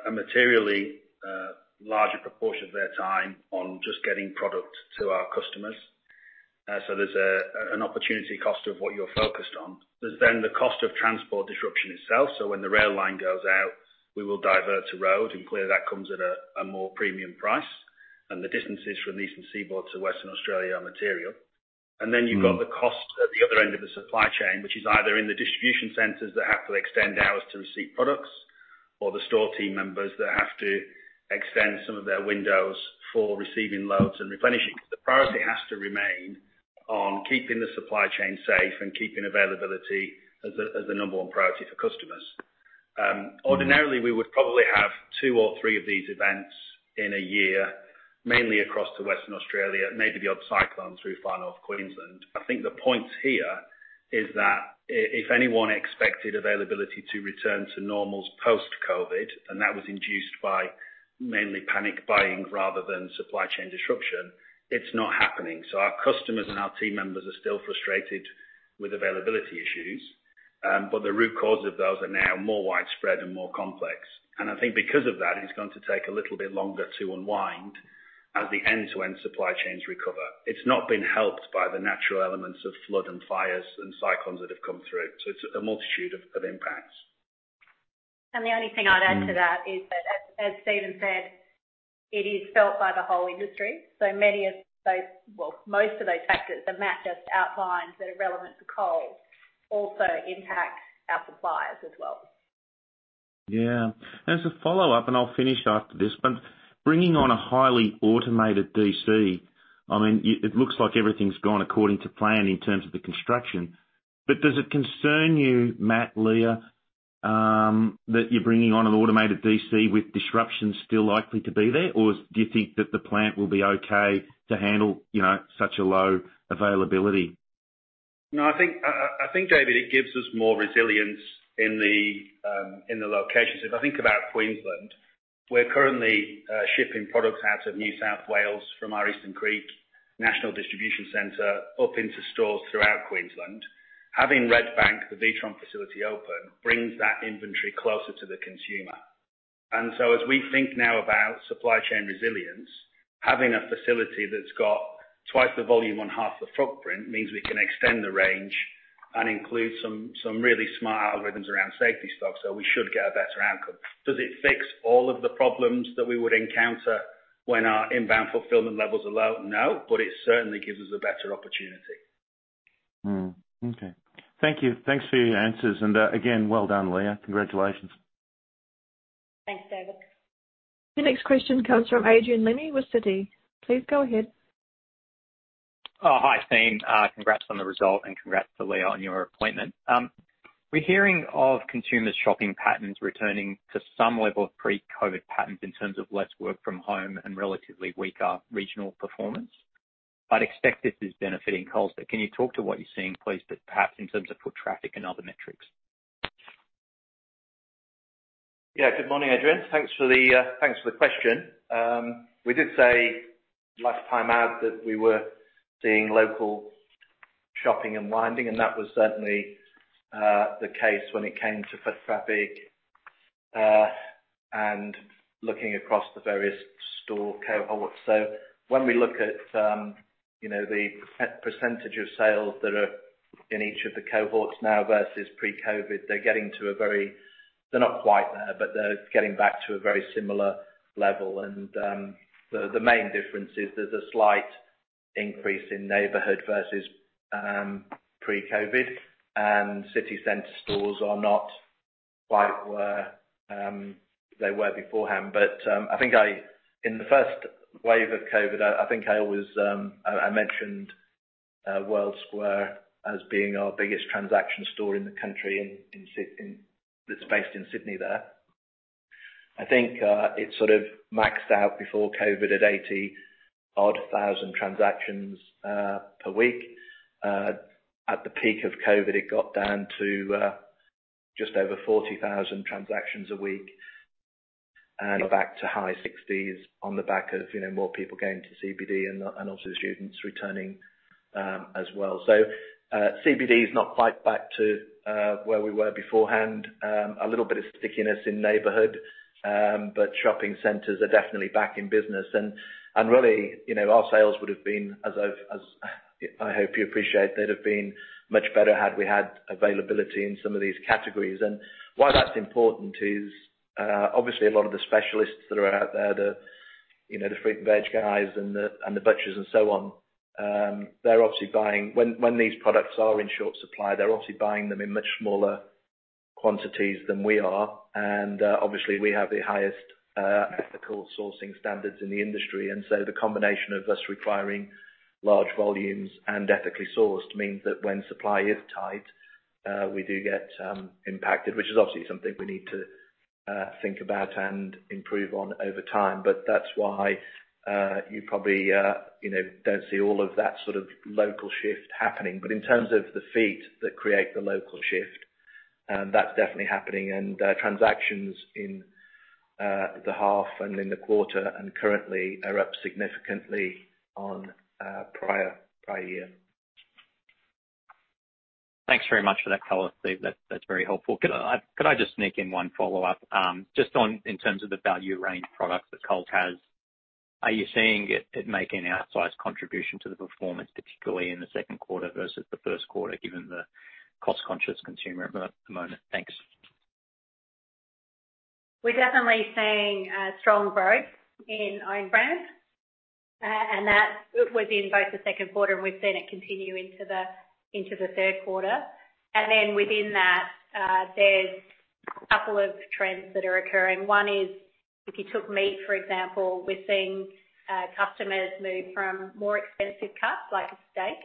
a materially larger proportion of their time on just getting product to our customers. There's an opportunity cost of what you're focused on. There's then the cost of transport disruption itself, so when the rail line goes out, we will divert to road, and clearly that comes at a more premium price. The distances from the Eastern Seaboard to Western Australia are material. Mm-hmm. You've got the cost at the other end of the supply chain, which is either in the distribution centers that have to extend hours to receive products or the store team members that have to extend some of their windows for receiving loads and replenishing. The priority has to remain on keeping the supply chain safe and keeping availability as the number one priority for customers. Ordinarily, we would probably have two or three of these events in a year, mainly across to Western Australia, maybe the odd cyclone through far north Queensland. I think the point here is that if anyone expected availability to return to normals post-COVID, and that was induced by mainly panic buying rather than supply chain disruption, it's not happening. Our customers and our team members are still frustrated with availability issues, but the root cause of those are now more widespread and more complex. I think because of that, it's going to take a little bit longer to unwind as the end-to-end supply chains recover. It's not been helped by the natural elements of flood and fires and cyclones that have come through, so it's a multitude of impacts. The only thing I'd add to that is that, as Steven Cain said, it is felt by the whole industry. Well, most of those factors that Matt Swindells just outlined that are relevant to Coles also impact our suppliers as well. Yeah. As a follow-up, and I'll finish after this one. Bringing on a highly automated DC, I mean, it looks like everything's gone according to plan in terms of the construction. Does it concern you, Matt, Leah, that you're bringing on an automated DC with disruptions still likely to be there? Do you think that the plant will be okay to handle, you know, such a low availability? No, I think, I think, David, it gives us more resilience in the, in the locations. If I think about Queensland, we're currently shipping products out of New South Wales from our Eastern Creek National Distribution Center up into stores throughout Queensland. Having Redbank, the Witron facility open, brings that inventory closer to the consumer. As we think now about supply chain resilience, having a facility that's got twice the volume on half the footprint means we can extend the range and include some really smart algorithms around safety stock. We should get a better outcome. Does it fix all of the problems that we would encounter when our inbound fulfillment levels are low? No. It certainly gives us a better opportunity. Okay. Thank you. Thanks for your answers. Again, well done, Leah. Congratulations. Thanks, David. The next question comes from Adrian Lemme with Citi. Please go ahead. Hi, Steven. Congrats on the result. Congrats to Leah on your appointment. We're hearing of consumers' shopping patterns returning to some level of pre-COVID patterns in terms of less work from home and relatively weaker regional performance. I'd expect this is benefiting Coles, but can you talk to what you're seeing, please, perhaps in terms of foot traffic and other metrics? Yeah. Good morning, Adrian. Thanks for the thanks for the question. We did say last time out that we were seeing local shopping unwinding, and that was certainly the case when it came to foot traffic and looking across the various store cohorts. When we look at, you know, the per-percentage of sales that are in each of the cohorts now versus pre-COVID, they're getting to a very... They're not quite there, but they're getting back to a very similar level. The main difference is there's a slight-Increase in neighborhood versus pre-COVID. City center stores are not quite where they were beforehand. I think I... In the first wave of COVID, I think I always, I mentioned World Square as being our biggest transaction store in the country that's based in Sydney there. I think it sort of maxed out before COVID at 80,000-odd transactions per week. At the peak of COVID, it got down to just over 40,000 transactions a week and back to high 60s on the back of, you know, more people going to CBD and also students returning as well. CBD is not quite back to where we were beforehand. A little bit of stickiness in neighborhood, but shopping centers are definitely back in business. Really, you know, our sales would have been, as I hope you appreciate, they'd have been much better had we had availability in some of these categories. Why that's important is, obviously a lot of the specialists that are out there, you know, the fruit and veg guys and the, and the butchers and so on, they're obviously buying. When these products are in short supply, they're obviously buying them in much smaller quantities than we are. Obviously, we have the highest ethical sourcing standards in the industry. So the combination of us requiring large volumes and ethically sourced means that when supply is tight, we do get impacted, which is obviously something we need to think about and improve on over time. That's why, you probably, you know, don't see all of that sort of local shift happening. In terms of the feet that create the local shift, that's definitely happening. Transactions in the half and in the quarter and currently are up significantly on prior year. Thanks very much for that color, Steve. That's very helpful. Could I just sneak in one follow-up, just on in terms of the value range products that Coles has. Are you seeing it make an outsized contribution to the performance, particularly in the second quarter versus the first quarter, given the cost-conscious consumer at the moment? Thanks. We're definitely seeing strong growth in own brands. That was in both the second quarter, and we've seen it continue into the, into the third quarter. Within that, there's a couple of trends that are occurring. One is if you took meat, for example, we're seeing customers move from more expensive cuts, like a steak,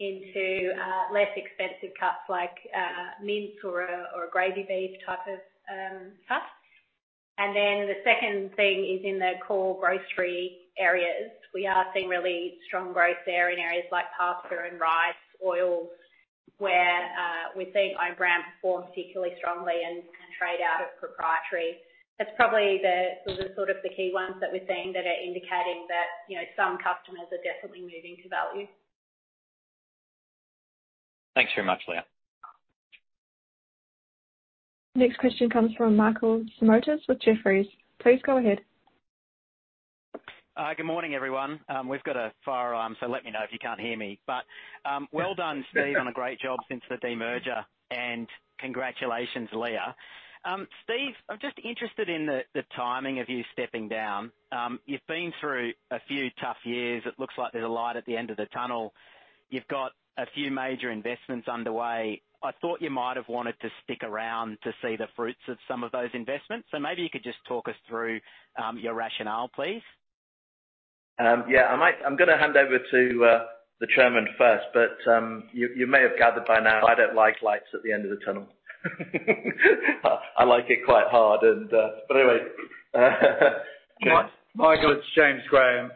into less expensive cuts like mince or a gravy beef type of cut. The second thing is in the core grocery areas, we are seeing really strong growth there in areas like pasta and rice, oils, where we're seeing own brand perform particularly strongly and trade out of proprietary. That's probably the sort of the key ones that we're seeing that are indicating that, you know, some customers are definitely moving to value. Thanks very much, Leah. Next question comes from Michael Simotas with Jefferies. Please go ahead. Good morning, everyone. We've got a firearm, so let me know if you can't hear me. Well done, Steve, on a great job since the demerger, and congratulations, Leah. Steve, I'm just interested in the timing of you stepping down. You've been through a few tough years. It looks like there's a light at the end of the tunnel. You've got a few major investments underway. I thought you might have wanted to stick around to see the fruits of some of those investments. Maybe you could just talk us through your rationale, please? Yeah. I'm gonna hand over to the Chairman first, you may have gathered by now I don't like lights at the end of the tunnel. I like it quite hard and. Anyway, yeah. Michael, it's James Graham.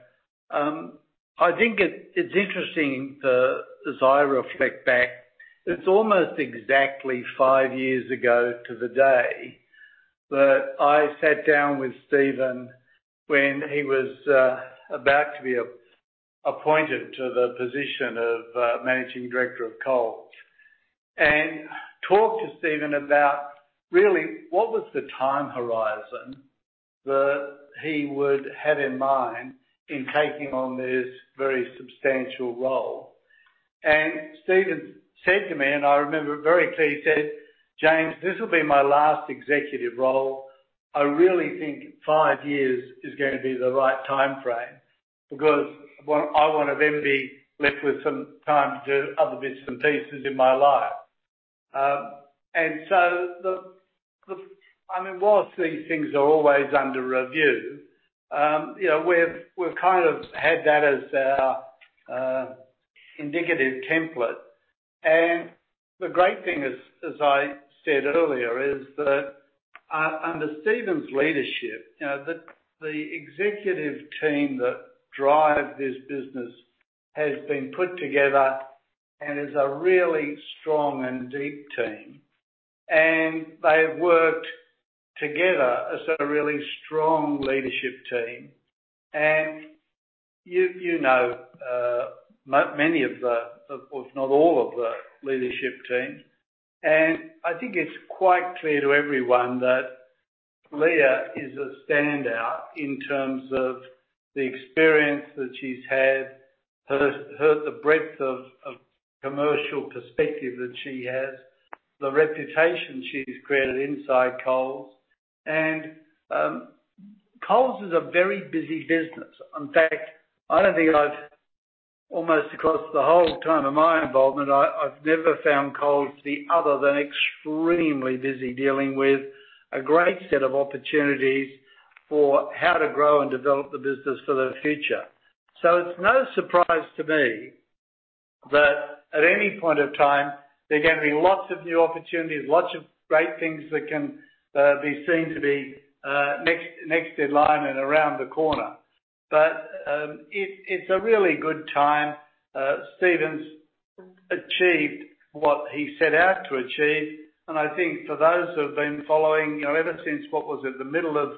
I think it's interesting, as I reflect back, it's almost exactly five years ago to the day that I sat down with Steven when he was about to be appointed to the position of managing director of Coles, and talked to Steven about really what was the time horizon that he would have in mind in taking on this very substantial role. Steven said to me, and I remember it very clearly, he said, "James, this will be my last executive role. I really think five years is gonna be the right timeframe because I wanna then be left with some time to do other bits and pieces in my life." The, I mean, whilst these things are always under review, you know, we've kind of had that as our indicative template. The great thing is, as I said earlier, is that under Steven's leadership, you know, the executive team that drive this business has been put together and is a really strong and deep team, and they've worked together as a really strong leadership team. You, you know, many of the, if not all of the leadership team. I think it's quite clear to everyone that Leah is a standout in terms of the experience that she's had. Her, the breadth of commercial perspective that she has. The reputation she's created inside Coles. Coles is a very busy business. In fact, I don't think I've almost, across the whole time of my involvement, I've never found Coles other than extremely busy dealing with a great set of opportunities for how to grow and develop the business for the future. It's no surprise to me that at any point of time, there are gonna be lots of new opportunities, lots of great things that can be seen to be next in line and around the corner. It's a really good time. Steven's achieved what he set out to achieve, and I think for those who've been following, you know, ever since, what was it? The middle of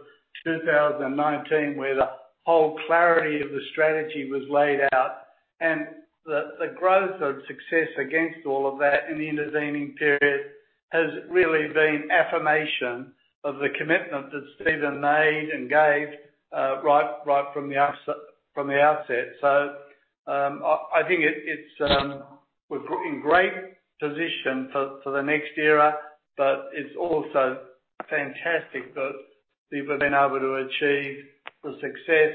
2019 where the whole clarity of the strategy was laid out and the growth of success against all of that in the intervening period has really been affirmation of the commitment that Steven made and gave right from the outset. I think it's we're put in great position for the next era, but it's also fantastic that we've been able to achieve the success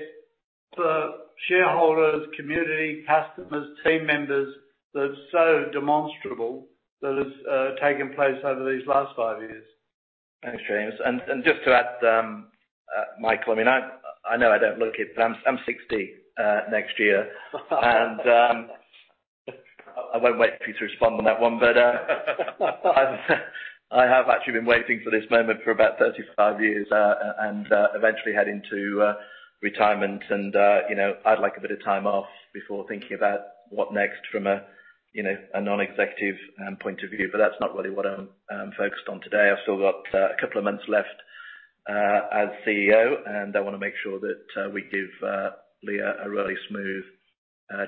for shareholders, community, customers, team members, that's so demonstrable that has taken place over these last five years. Thanks, James. Just to add, Michael, I mean, I know I don't look it, but I'm 60 next year. I won't wait for you to respond on that one, but I have actually been waiting for this moment for about 35 years, and eventually head into retirement and, you know, I'd like a bit of time off before thinking about what next from a, you know, a non-executive point of view, but that's not really what I'm focused on today. I've still got a couple of months left as CEO, and I wanna make sure that we give Leah a really smooth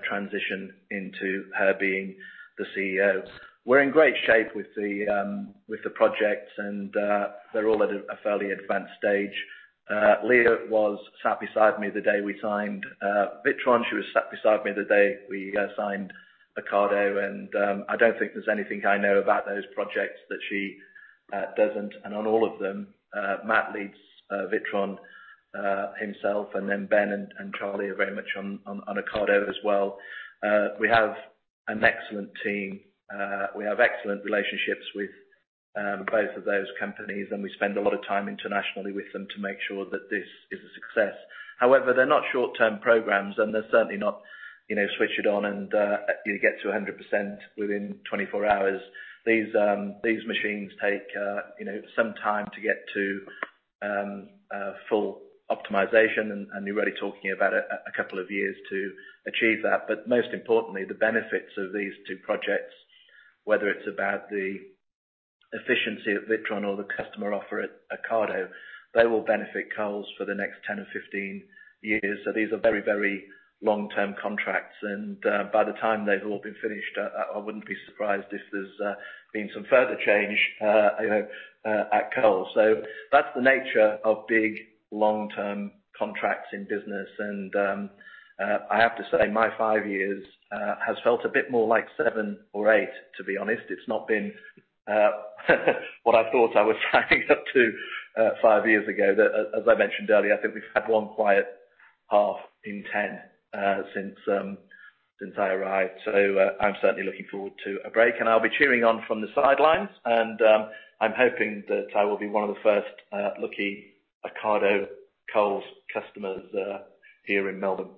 transition into her being the CEO. We're in great shape with the projects and they're all at a fairly advanced stage. Leah was sat beside me the day we signed Witron. She was sat beside me the day we signed Ocado, I don't think there's anything I know about those projects that she doesn't. On all of them, Matt leads Witron himself, and then Ben and Charlie are very much on Ocado as well. We have an excellent team. We have excellent relationships with both of those companies, and we spend a lot of time internationally with them to make sure that this is a success. However, they're not short-term programs, and they're certainly not, you know, switch it on and you get to 100% within 24 hours. These machines take, you know, some time to get to full optimization, and you're really talking about a couple of years to achieve that. Most importantly, the benefits of these two projects, whether it's about the efficiency of Witron or the customer offer at Ocado, they will benefit Coles for the next 10 or 15 years. These are very, very long-term contracts, and by the time they've all been finished, I wouldn't be surprised if there's been some further change, you know, at Coles. That's the nature of big, long-term contracts in business. I have to say my five years has felt a bit more like seven or eight, to be honest. It's not been what I thought I was signing up to five years ago. As I mentioned earlier, I think we've had one quiet half in 10, since I arrived. I'm certainly looking forward to a break. I'll be cheering on from the sidelines and, I'm hoping that I will be one of the first, lucky Ocado Coles customers, here in Melbourne.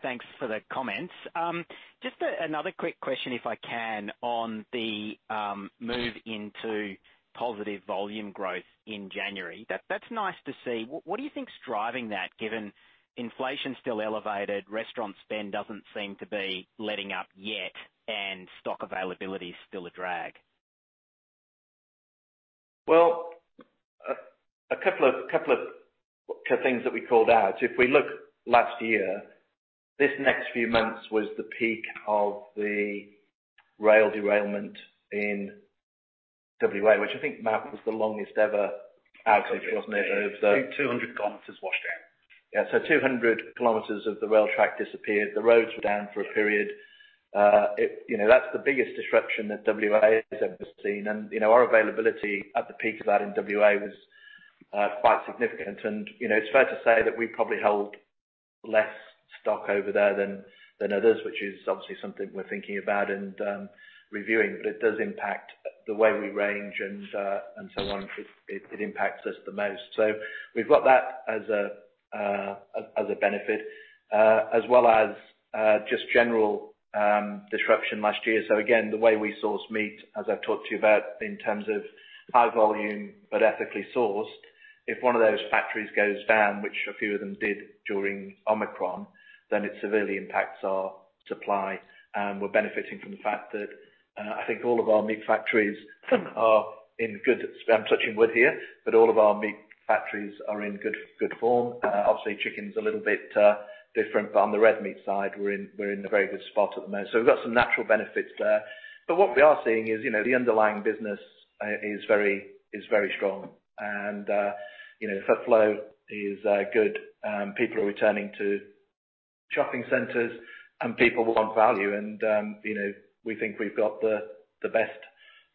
Thanks for the comments. Just another quick question, if I can, on the move into positive volume growth in January. That's nice to see. What do you think's driving that, given inflation's still elevated, restaurant spend doesn't seem to be letting up yet, and stock availability is still a drag? Well, a couple of things that we called out. If we look last year, this next few months was the peak of the rail derailment in WA, which I think, Matt, was the longest ever outage, wasn't it? 200 kilometers washed out. Yeah. 200 kilometers of the rail track disappeared. The roads were down for a period. You know, that's the biggest disruption that WA has ever seen. You know, our availability at the peak of that in WA was quite significant. You know, it's fair to say that we probably hold less stock over there than others, which is obviously something we're thinking about and reviewing. It does impact the way we range and so on. It, it impacts us the most. We've got that as a benefit, as well as just general disruption last year. Again, the way we source meat, as I've talked to you about, in terms of high volume, but ethically sourced, if one of those factories goes down, which a few of them did during Omicron, then it severely impacts our supply. We're benefiting from the fact that, I think all of our meat factories are in good... I'm touching wood here, but all of our factories are in good form. Obviously, chicken's a little bit different, but on the red meat side, we're in a very good spot at the moment. We've got some natural benefits there. What we are seeing is, you know, the underlying business is very strong and, you know, foot flow is good. People are returning to- Shopping centers and people want value and, you know, we think we've got the best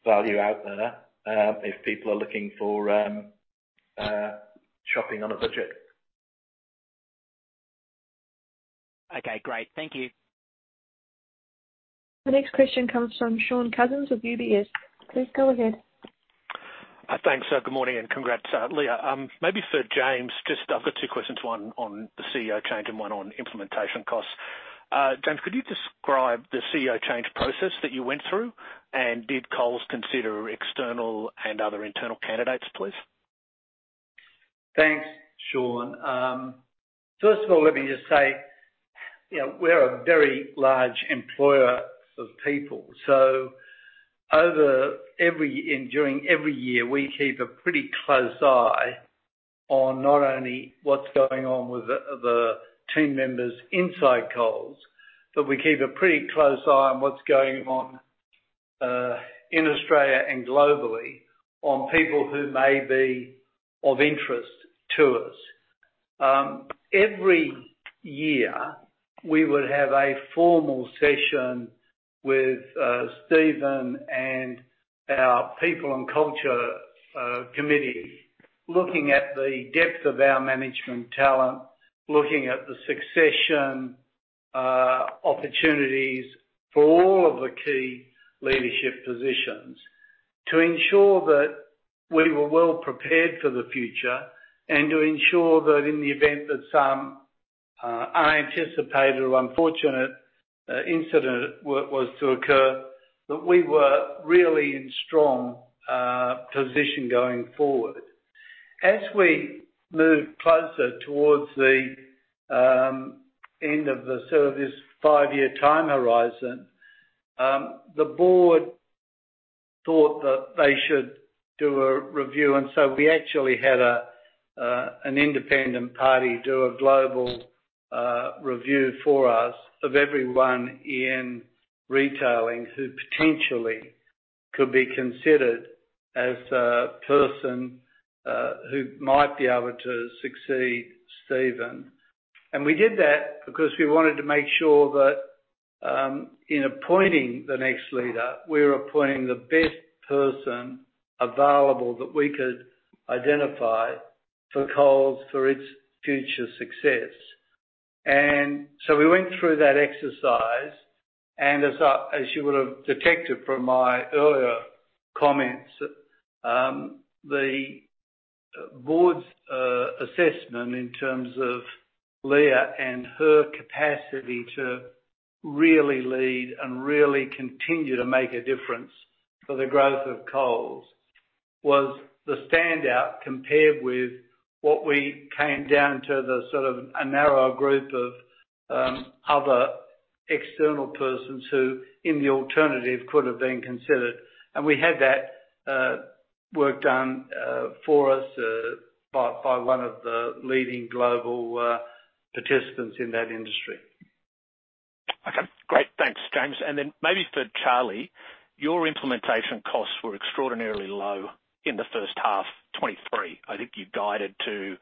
value out there, if people are looking for shopping on a budget. Okay, great. Thank you. The next question comes from Shaun Cousins of UBS. Please go ahead. Thanks. Good morning, and congrats, Leah. Maybe for James, just I've got two questions, one on the CEO change and one on implementation costs. James, could you describe the CEO change process that you went through, and did Coles consider external and other internal candidates, please? Thanks, Shaun. First of all, let me just say, you know, we're a very large employer of people. Over every... During every year, we keep a pretty close eye on not only what's going on with the team members inside Coles, but we keep a pretty close eye on what's going on in Australia and globally on people who may be of interest to us. Every year, we would have a formal session with Steven and our people and culture committee, looking at the depth of our management talent, looking at the succession opportunities for all of the key leadership positions to ensure that we were well prepared for the future and to ensure that in the event that some anticipated or unfortunate incident was to occur, that we were really in strong position going forward. As we moved closer towards the end of the service five-year time horizon, the board thought that they should do a review, and so we actually had an independent party do a global review for us of everyone in retailing who potentially could be considered as a person who might be able to succeed Steven Cain. We did that because we wanted to make sure that, in appointing the next leader, we're appointing the best person available that we could identify for Coles for its future success. We went through that exercise, and as I... As you would have detected from my earlier comments, the board's assessment in terms of Leah and her capacity to really lead and really continue to make a difference for the growth of Coles was the standout compared with what we came down to the sort of a narrower group of other external persons who, in the alternative, could have been considered. We had that work done for us by one of the leading global participants in that industry. Okay, great. Thanks, James. Maybe for Charlie, your implementation costs were extraordinarily low in the first half 2023. I think you guided to,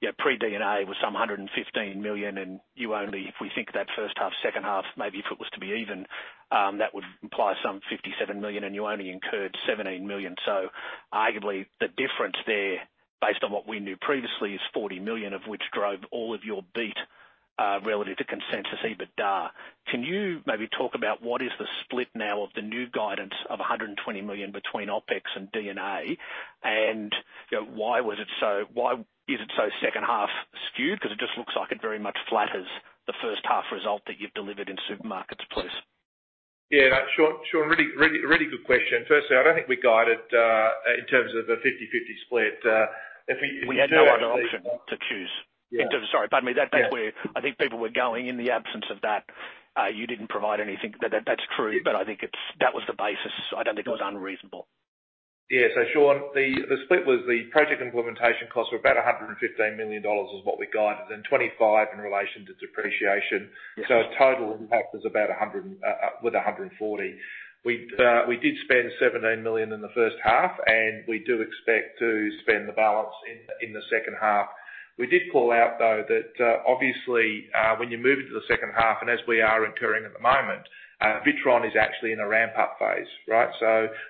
you know, pre-D&A was some 115 million, and you only, if we think of that first half, second half, maybe if it was to be even, that would imply some 57 million, and you only incurred 17 million. Arguably the difference there, based on what we knew previously, is 40 million, of which drove all of your beat relative to consensus EBITDA. Can you maybe talk about what is the split now of the new guidance of 120 million between OpEx and D&A? You know, why is it so second half skewed? Because it just looks like it very much flatters the first half result that you've delivered in Supermarkets, please. Yeah, Shaun. Shaun, really, really, really good question. Firstly, I don't think we guided in terms of a 50/50 split. We had no other option to choose. Yeah. Sorry. Pardon me. That's where I think people were going. In the absence of that, you didn't provide anything. That's true. That was the basis. I don't think it was unreasonable. Yeah. Shaun, the split was the project implementation costs were about 115 million dollars is what we guided and 25 in relation to depreciation. Yes. Total impact was about 100 million with 140 million. We did spend 17 million in the first half, and we do expect to spend the balance in the second half. We did call out, though, that obviously when you move into the second half, and as we are incurring at the moment, Witron is actually in a ramp-up phase, right?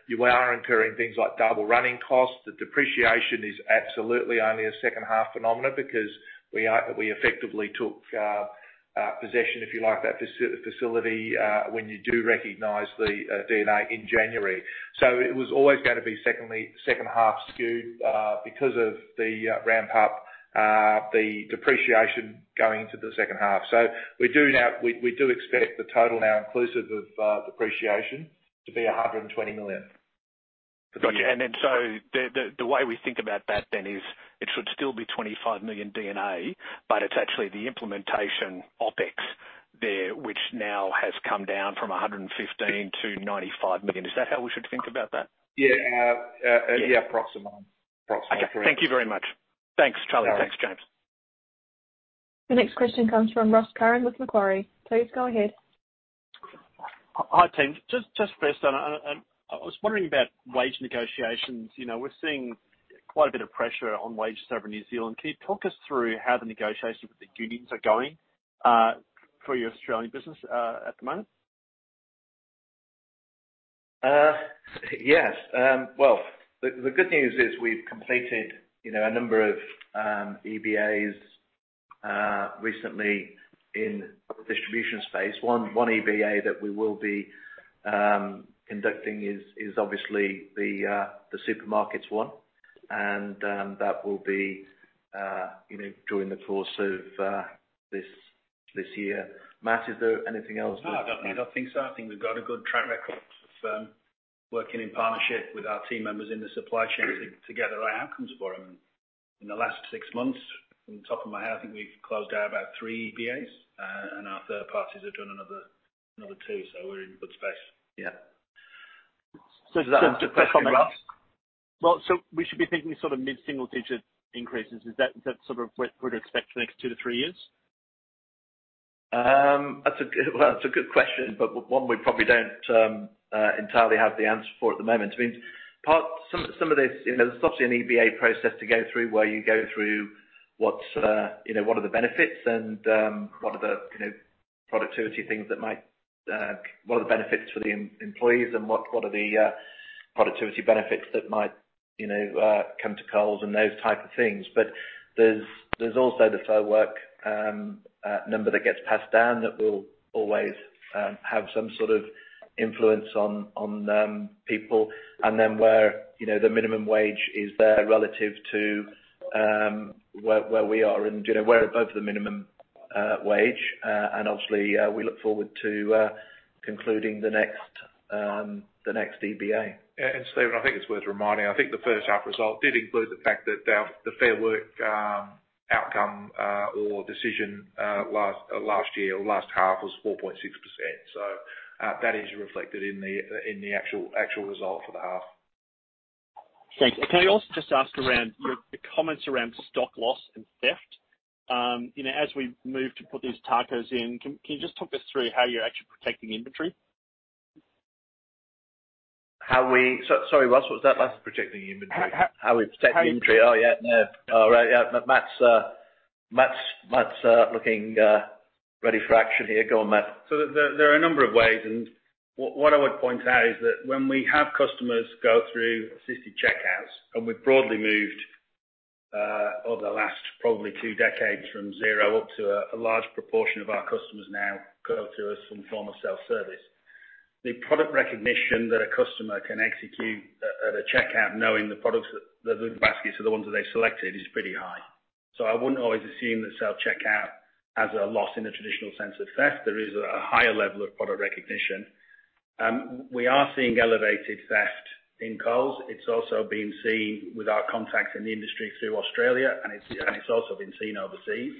You are incurring things like double running costs. The depreciation is absolutely only a second half phenomena because we effectively took possession, if you like, that facility, when you do recognize the D&A in January. It was always gonna be second half skewed because of the ramp-up, the depreciation going into the second half. We do expect the total now inclusive of depreciation to be 120 million. Gotcha. The way we think about that then is it should still be 25 million D&A, but it's actually the implementation OpEx there, which now has come down from 115 million to 95 million. Is that how we should think about that? Yeah. Yeah. Approximately. Okay. Thank you very much. Thanks, Charlie. All right. Thanks, James. The next question comes from Ross Curran with Macquarie. Please go ahead. Hi, team. Just first, I was wondering about wage negotiations. You know, we're seeing quite a bit of pressure on wages over in New Zealand. Can you talk us through how the negotiations with the unions are going, for your Australian business at the moment? Yes. Well, the good news is we've completed, you know, a number of EBAs recently in the distribution space. One EBA that we will be conducting is obviously the Supermarkets one. That will be, you know, during the course of this year. Matt, is there anything else? I don't think so. I think we've got a good track record of working in partnership with our team members in the supply chain to get the right outcomes for them. The last six months, off the top of my head, I think we've closed out about three EBAs, and our third parties have done another two, so we're in a good space- Yeah. just a quick comment. Is that answer your question, Ross? Well, so we should be thinking sort of mid-single-digit increases. Is that, is that sort of what we're to expect for the next two to three years? Well, that's a good question, but one we probably don't entirely have the answer for at the moment. I mean, some of this, you know, there's obviously an EBA process to go through where you go through what's, you know, what are the benefits for the employees and what are the productivity benefits that might, you know, come to Coles and those type of things. There's also the Fair Work number that gets passed down that will always have some sort of influence on people. Where, you know, the minimum wage is there relative to where we are and, you know, we're above the minimum wage. Obviously, we look forward to concluding the next EBA. Yeah. Steven, I think it's worth reminding, I think the first half result did include the fact that the Fair Work outcome or decision last year or last half was 4.6%. That is reflected in the actual result for the half. Thanks. Can I also just ask around the comments around stock loss and theft? You know, as we move to put these TACOs in, can you just talk us through how you're actually protecting inventory? Sorry, Ross, what was that? Protecting inventory. How we protect the inventory. Oh, yeah. Yeah. All right. Yeah. Matt's looking ready for action here. Go on, Matt. There are a number of ways, and what I would point out is that when we have customers go through assisted checkouts, and we've broadly moved over the last probably two decades from zero up to a large proportion of our customers now go through some form of self-service. The product recognition that a customer can execute at a checkout knowing the products that are in the baskets are the ones that they've selected is pretty high. I wouldn't always assume that self-checkout has a loss in the traditional sense of theft. There is a higher level of product recognition. We are seeing elevated theft in Coles. It's also been seen with our contacts in the industry through Australia, and it's also been seen overseas.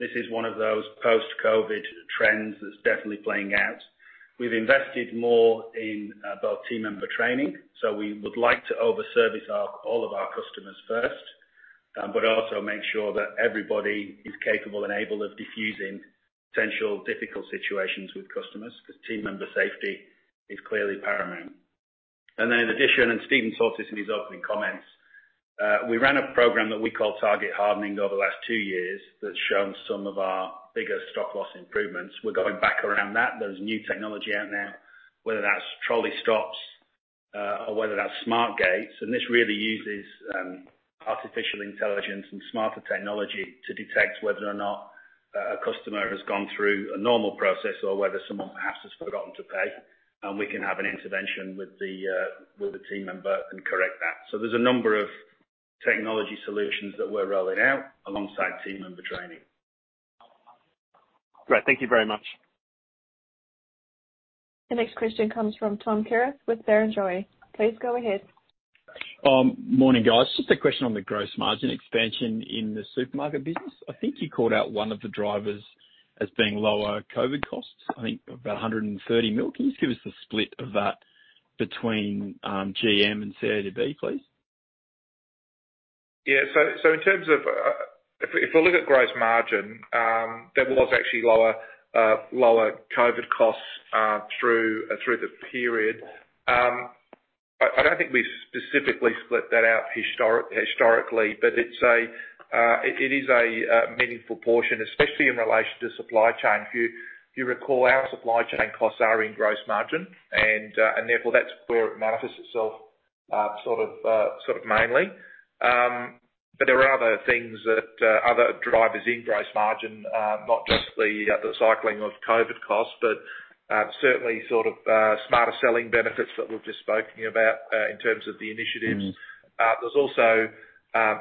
This is one of those post-COVID trends that's definitely playing out. We've invested more in both team member training. We would like to over-service our, all of our customers first, but also make sure that everybody is capable and able of diffusing potential difficult situations with customers 'cause team member safety is clearly paramount. In addition, Steven said this in his opening comments, we ran a program that we call Target Hardening over the last two years that's shown some of our bigger stock loss improvements. We're going back around that. There's new technology out there, whether that's trolley stops or whether that's smart gates. This really uses artificial intelligence and smarter technology to detect whether or not a customer has gone through a normal process or whether someone perhaps has forgotten to pay, and we can have an intervention with the team member and correct that. There's a number of technology solutions that we're rolling out alongside team member training. Great. Thank you very much. The next question comes from Tom Kierath with Barrenjoey. Please go ahead. Morning, guys. Just a question on the gross margin expansion in the Supermarket business. I think you called out one of the drivers as being lower COVID costs, I think about 130 million. Can you give us the split of that between GM and CODB, please? Yeah. In terms of if we look at gross margin, there was actually lower COVID costs through the period. I don't think we've specifically split that out historically, but it is a meaningful portion, especially in relation to supply chain. If you recall, our supply chain costs are in gross margin and therefore that's where it manifests itself sort of mainly. There are other things that other drivers in gross margin, not just the cycling of COVID costs, but certainly sort of Smarter Selling benefits that we've just spoken about in terms of the initiatives. Mm. There's also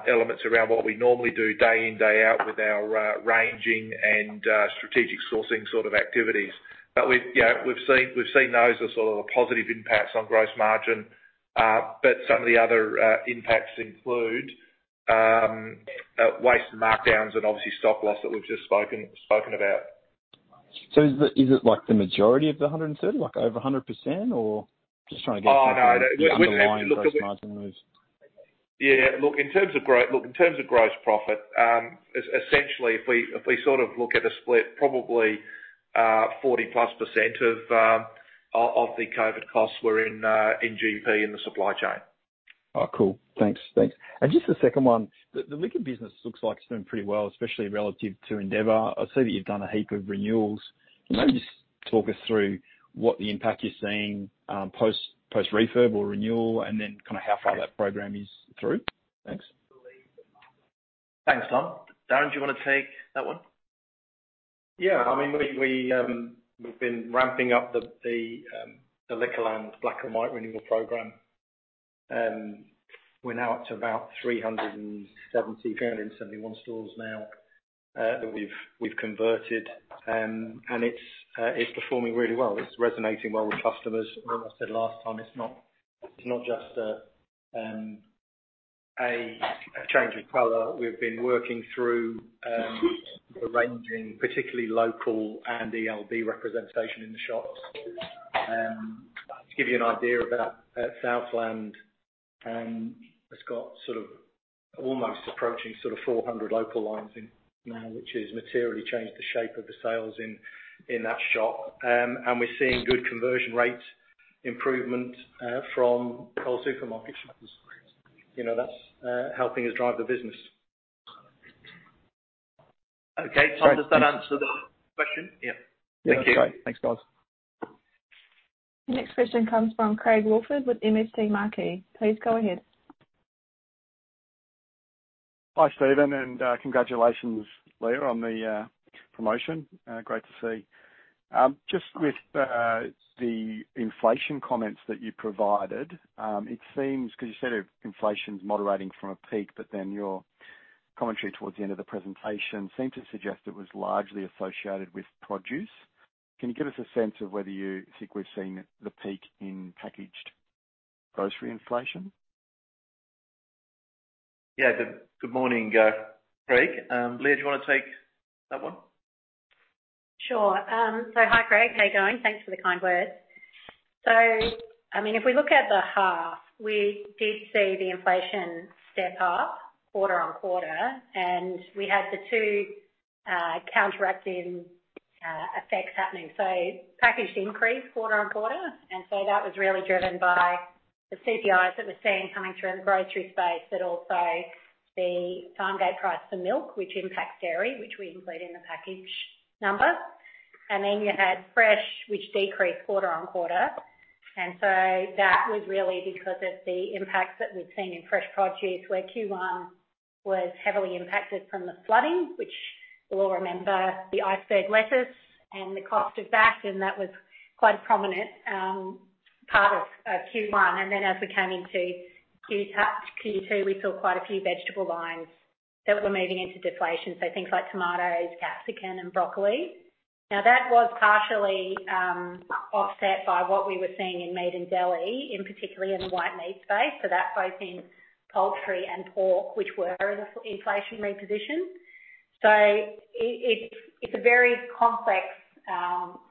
elements around what we normally do day in, day out with our ranging and strategic sourcing sort of activities. We've, you know, we've seen those as sort of positive impacts on gross margin, but some of the other impacts include waste and markdowns and obviously stock loss that we've just spoken about. Is it like the majority of the 130, like over 100% or? Just trying to get. Oh, no. We'd have to look at the. underlying gross margin moves Yeah, look, in terms of gross profit, essentially, if we sort of look at a split, probably, 40%+ of the COVID costs were in GP, in the supply chain. Oh, cool. Thanks. Thanks. Just the second one, the Liquor business looks like it's doing pretty well, especially relative to Endeavour. I see that you've done a heap of renewals. Can you just talk us through what the impact you're seeing, post refurb or renewal and then kind of how far that program is through? Thanks. Thanks, Tom. Darren, do you wanna take that one? Yeah. I mean, we've been ramping up the Liquorland Black and White renewal program. We're now up to about 370, 371 stores now that we've converted. It's performing really well. It's resonating well with customers. Like I said last time, it's not just a change of color. We've been working through arranging particularly local and ELB representation in the shops. To give you an idea of that, at Southland, it's got sort of almost approaching sort of 400 local lines in now, which has materially changed the shape of the sales in that shop. We're seeing good conversion rates improvement from Coles supermarket shops. You know, that's helping us drive the business. Okay. Tom, does that answer the question? Yeah. Yeah, that's great. Thanks, guys. The next question comes from Craig Woolford with MST Marquee. Please go ahead. Hi, Steven, and congratulations, Leah, on the promotion. Great to see. Just with the inflation comments that you provided, it seems 'cause you said inflation's moderating from a peak, but then your commentary towards the end of the presentation seemed to suggest it was largely associated with produce. Can you give us a sense of whether you think we've seen the peak in packaged grocery inflation? Yeah. Good, good morning, Craig. Leah, do you wanna take that one? Sure. Hi, Craig. How are you going? Thanks for the kind words. I mean, if we look at the half, we did see the inflation step up quarter on quarter, and we had the two counteracting effects happening. Packaged increased quarter on quarter, that was really driven by the CPIs that we're seeing coming through in the grocery space, but also the farm gate price for milk, which impacts dairy, which we include in the package number. You had fresh, which decreased quarter on quarter. That was really because of the impact that we've seen in fresh produce, where Q1 was heavily impacted from the flooding, which we'll remember the iceberg lettuce and the cost of that, and that was quite a prominent part of Q1. As we came into Q2, we saw quite a few vegetable lines that were moving into deflation, so things like tomatoes, capsicum and broccoli. That was partially offset by what we were seeing in meat and deli, in particularly in the white meat space. That's both in poultry and pork, which were in an inflationary position. It's a very complex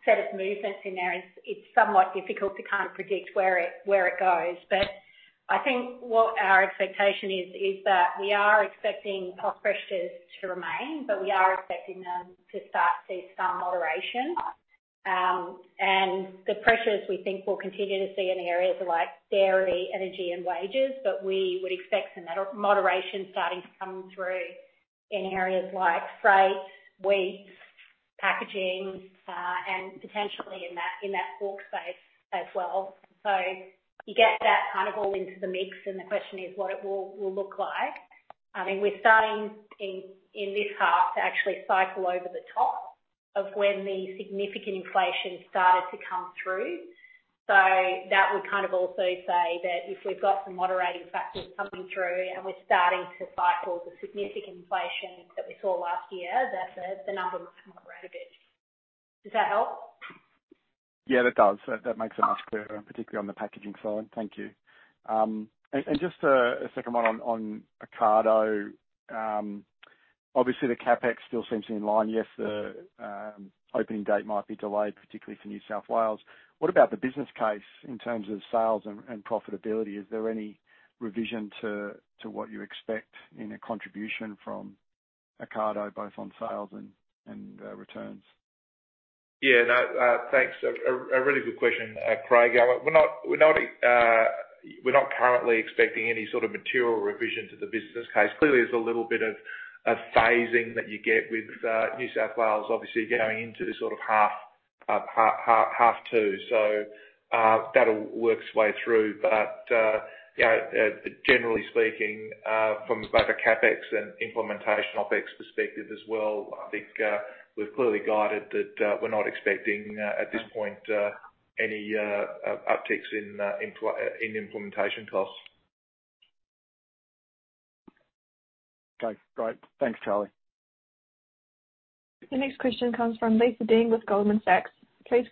set of movements in there. It's somewhat difficult to kind of predict where it goes. I think what our expectation is that we are expecting cost pressures to remain, but we are expecting them to start to see some moderation. The pressures we think we'll continue to see in areas like dairy, energy and wages, but we would expect some moderation starting to come through in areas like freight, wheat, packaging, and potentially in that pork space as well. You get that kind of all into the mix and the question is what it will look like. I mean, we're starting in this half to actually cycle over the top of when the significant inflation started to come through. That would kind of also say that if we've got some moderating factors coming through and we're starting to cycle the significant inflation that we saw last year, that the numbers moderate a bit. Does that help? Yeah, that does. That makes it much clearer, particularly on the packaging side. Thank you. Just a second one on Ocado. Obviously the CapEx still seems in line. Yes, the opening date might be delayed, particularly for New South Wales. What about the business case in terms of sales and profitability? Is there any revision to what you expect in a contribution from Ocado both on sales and returns? Thanks. A really good question, Craig. We're not currently expecting any sort of material revision to the business case. Clearly, there's a little bit of phasing that you get with New South Wales obviously going into the sort of half 2. That'll work its way through. Generally speaking, from both a CapEx and implementation OpEx perspective as well, I think, we've clearly guided that we're not expecting at this point any upticks in implementation costs. Okay, great. Thanks, Charlie. The next question comes from Lisa Deng with Goldman Sachs. Please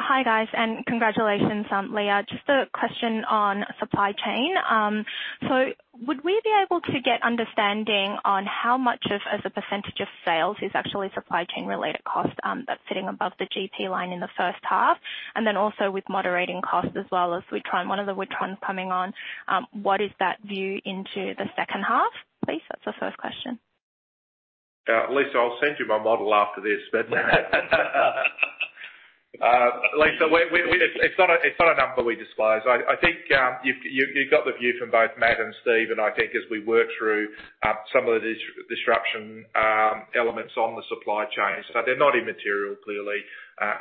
go ahead. Hi, guys, and congratulations, Leah. Just a question on supply chain. Would we be able to get understanding on how much of as a percentage of sales is actually supply chain related cost, that's sitting above the GP line in the first half and then also with moderating costs as well as Witron, one of the Witrons coming on, what is that view into the second half, please? That's the first question. Lisa, I'll send you my model after this. Lisa, we it's not a, it's not a number we disclose. I think you've got the view from both Matt and Steve. I think as we work through some of the disruption elements on the supply chain, they're not immaterial, clearly,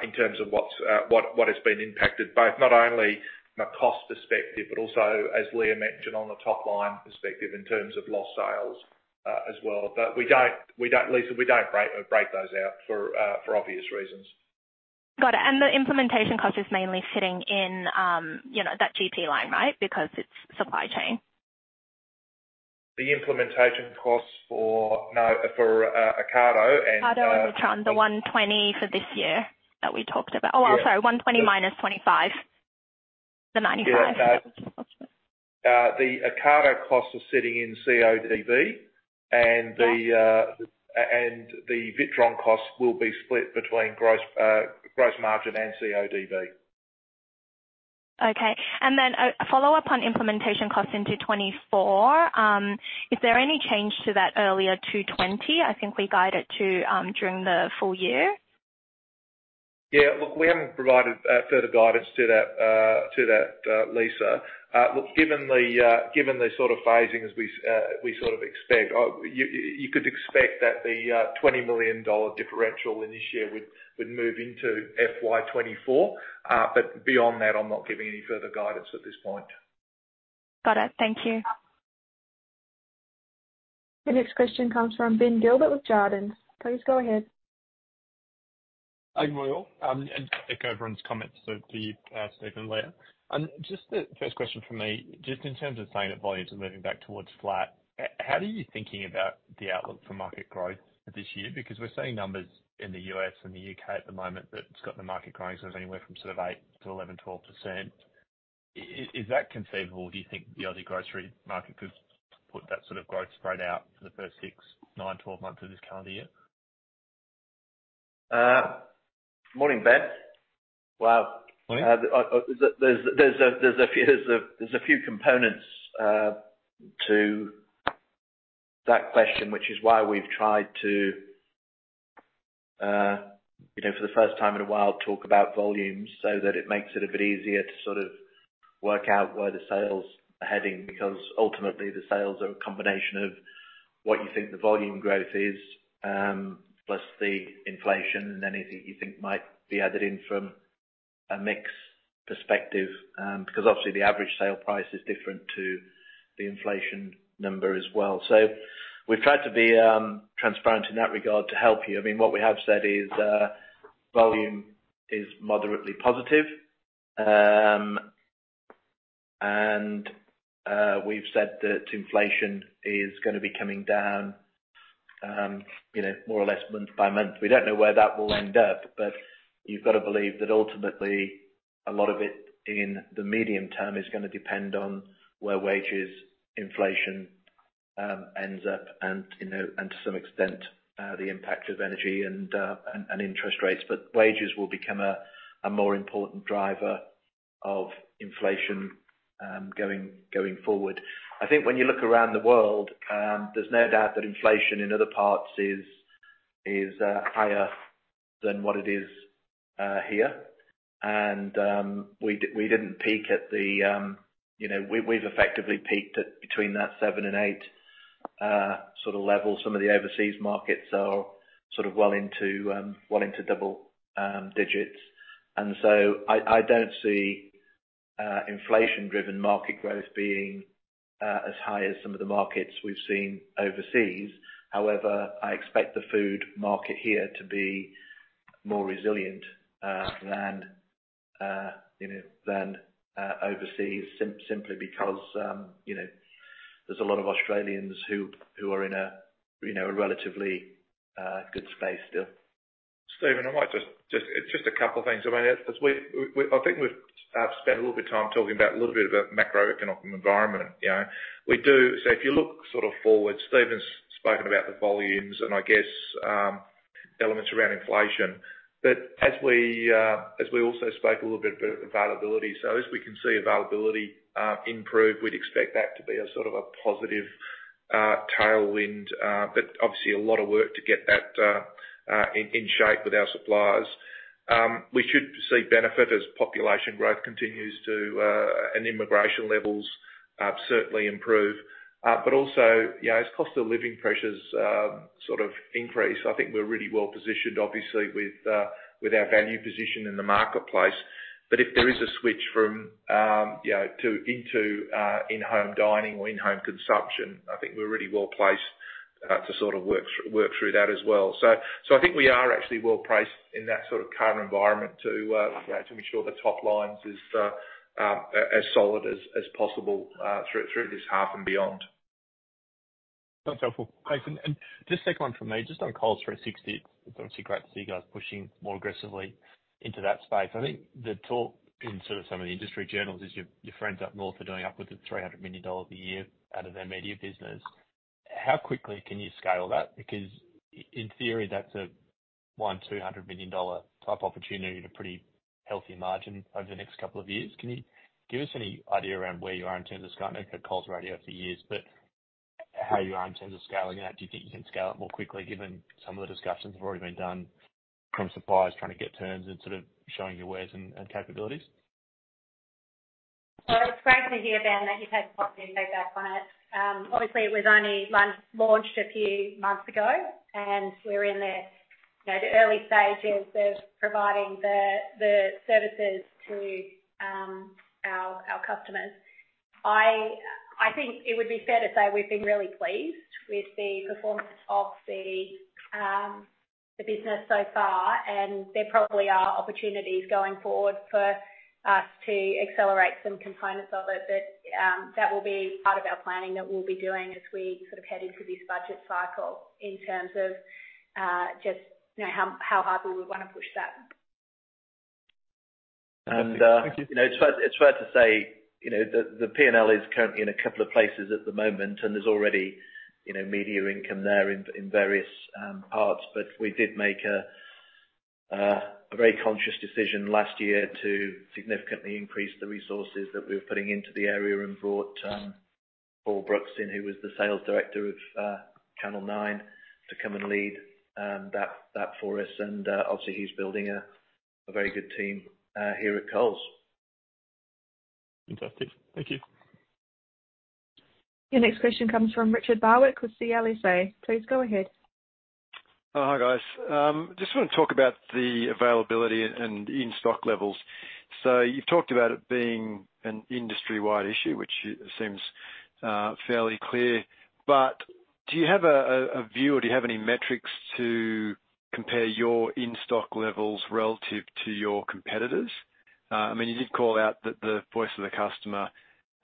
in terms of what's been impacted, both not only from a cost perspective, but also as Leah mentioned, on the top line perspective in terms of lost sales as well. We don't, Lisa, we don't break those out for obvious reasons. Got it. The implementation cost is mainly sitting in, you know, that GP line, right? Because it's supply chain. The implementation costs for Ocado and Ocado and Witron, the 120 for this year that we talked about. Oh, I'm sorry, 120 minus 25. The 95. The Ocado cost is sitting in CODB, and the Witron cost will be split between gross margin and CODB. Okay. A follow-up on implementation costs into 2024, is there any change to that earlier 220 million, I think we guided to, during the full year? Yeah. Look, we haven't provided, further guidance to that, to that, Lisa. Look, given the given the sort of phasing as we sort of expect, you could expect that the 20 million dollar differential in this year would move into FY 2024. Beyond that, I'm not giving any further guidance at this point. Got it. Thank you. The next question comes from Ben Gilbert with Jarden. Please go ahead. Good morning, all, and echo everyone's comments to you, Steven and Leah. Just the first question from me, just in terms of saying that volumes are moving back towards flat, how are you thinking about the outlook for market growth this year? Because we're seeing numbers in the U.S. and the U.K. at the moment that's got the market growing anywhere from sort of 8%-11%, 12%. Is that conceivable? Do you think the Aussie grocery market could put that sort of growth straight out for the first six, nine, 12 months of this calendar year? morning, Ben. Morning. There's a few components to that question, which is why we've tried to, you know, for the first time in a while, talk about volumes so that it makes it a bit easier to sort of work out where the sales are heading, because ultimately the sales are a combination of what you think the volume growth is, plus the inflation and anything you think might be added in from a mix perspective, because obviously the average sale price is different to the inflation number as well. We've tried to be transparent in that regard to help you. I mean, what we have said is, volume is moderately positive. And we've said that inflation is gonna be coming down, you know, more or less month by month. We don't know where that will end up, but you've got to believe that ultimately a lot of it in the medium term is gonna depend on where wages, inflation, ends up, you know, and to some extent, the impact of energy and interest rates. Wages will become a more important driver of inflation going forward. I think when you look around the world, there's no doubt that inflation in other parts is higher than what it is here. We didn't peak at the, you know, we've effectively peaked at between that seven and eight sort of level. Some of the overseas markets are sort of well into double digits. I don't see inflation-driven market growth being as high as some of the markets we've seen overseas. However, I expect the food market here to be more resilient than, you know, than overseas simply because, you know, there's a lot of Australians who are in a relatively good space still. Steven, I might just a couple of things. I mean, as we, I think we've spent a little bit of time talking about a little bit of a macroeconomic environment. You know, if you look sort of forward, Steven's spoken about the volumes and I guess elements around inflation. As we, as we also spoke a little bit of availability. As we can see availability improve, we'd expect that to be a sort of a positive tailwind, but obviously a lot of work to get that in shape with our suppliers. We should see benefit as population growth continues to and immigration levels certainly improve. Also, you know, as cost of living pressures, sort of increase, I think we're really well positioned obviously with our value position in the marketplace. If there is a switch from, you know, to, into, in-home dining or in-home consumption, I think we're really well-placed, to sort of work through that as well. I think we are actually well-placed in that sort of current environment to ensure the top line is, as solid as possible, through this half and beyond. That's helpful. Thanks. Just second one from me, just on Coles 360. It's obviously great to see you guys pushing more aggressively into that space. I think the talk in sort of some of the industry journals is your friends up north are doing up with $300 million a year out of their media business. How quickly can you scale that? Because in theory, that's a $100 million-$200 million type opportunity at a pretty healthy margin over the next couple of years. Can you give us any idea around where you are in terms of scaling up Coles Radio for years, but how you are in terms of scaling that? Do you think you can scale it more quickly, given some of the discussions have already been done from suppliers trying to get terms and sort of showing your wares and capabilities? Well, it's great to hear, Ben, that you've had positive feedback on it. Obviously it was only launched a few months ago, we're in the, you know, the early stages of providing the services to our customers. I think it would be fair to say we've been really pleased with the performance of the business so far, and there probably are opportunities going forward for us to accelerate some components of it. That will be part of our planning that we'll be doing as we sort of head into this budget cycle in terms of, just, you know, how hard we would wanna push that. Fantastic. Thank you. You know, it's fair to say, you know, the P&L is currently in a couple of places at the moment, and there's already, you know, media income there in various parts. We did make a very conscious decision last year to significantly increase the resources that we were putting into the area and brought Paul Brooks in, who was the sales director of Channel Nine, to come and lead that for us. Obviously he's building a very good team here at Coles. Fantastic. Thank you. Your next question comes from Richard Barwick with CLSA. Please go ahead. Hi, guys. Just want to talk about the availability and in-stock levels. You've talked about it being an industry-wide issue, which seems fairly clear. Do you have a view or do you have any metrics to compare your in-stock levels relative to your competitors? You did call out that the voice of the customer,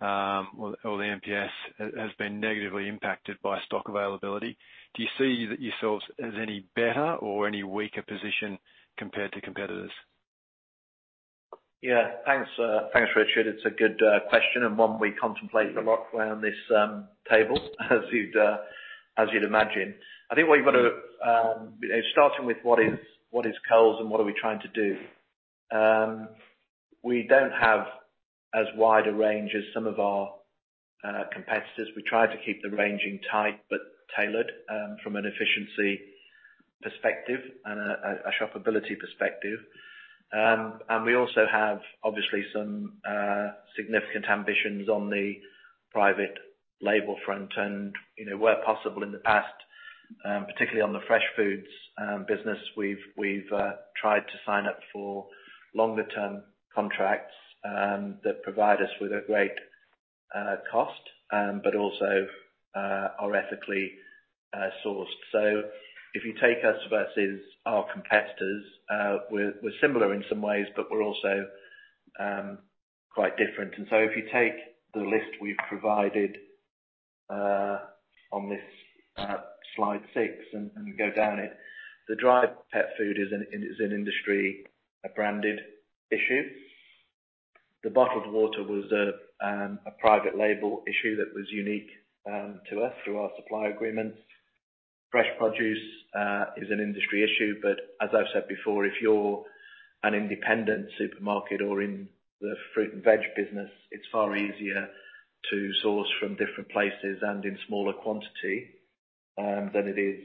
or the NPS has been negatively impacted by stock availability. Do you see yourselves as any better or any weaker position compared to competitors? Yeah. Thanks, thanks, Richard. It's a good question and one we contemplate a lot around this table, as you'd imagine. I think what you've got to, starting with what is, what is Coles and what are we trying to do? We don't have as wide a range as some of our competitors. We try to keep the ranging tight, but tailored, from an efficiency perspective and a shopability perspective. We also have obviously some significant ambitions on the private label front and, you know, where possible in the past, particularly on the fresh foods business, we've tried to sign up for longer term contracts that provide us with a great cost, but also are ethically sourced. If you take us versus our competitors, we're similar in some ways, but we're also quite different. If you take the list we've provided, on this slide six and go down it, the dry pet food is an industry branded issue. The bottled water was a private label issue that was unique to us through our supply agreements. Fresh produce is an industry issue, but as I've said before, if you're an independent supermarket or in the fruit and veg business, it's far easier to source from different places and in smaller quantity than it is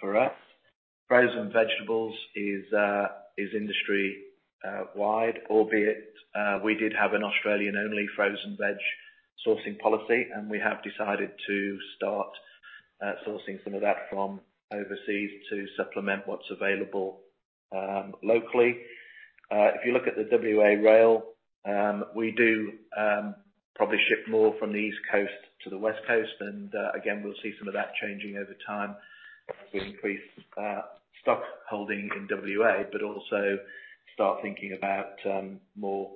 for us. Frozen vegetables is industry wide, albeit, we did have an Australian-only frozen veg sourcing policy, and we have decided to start sourcing some of that from overseas to supplement what's available locally. If you look at the WA rail, we do probably ship more from the East Coast to the West Coast, and again, we'll see some of that changing over time as we increase stock holding in WA, but also start thinking about more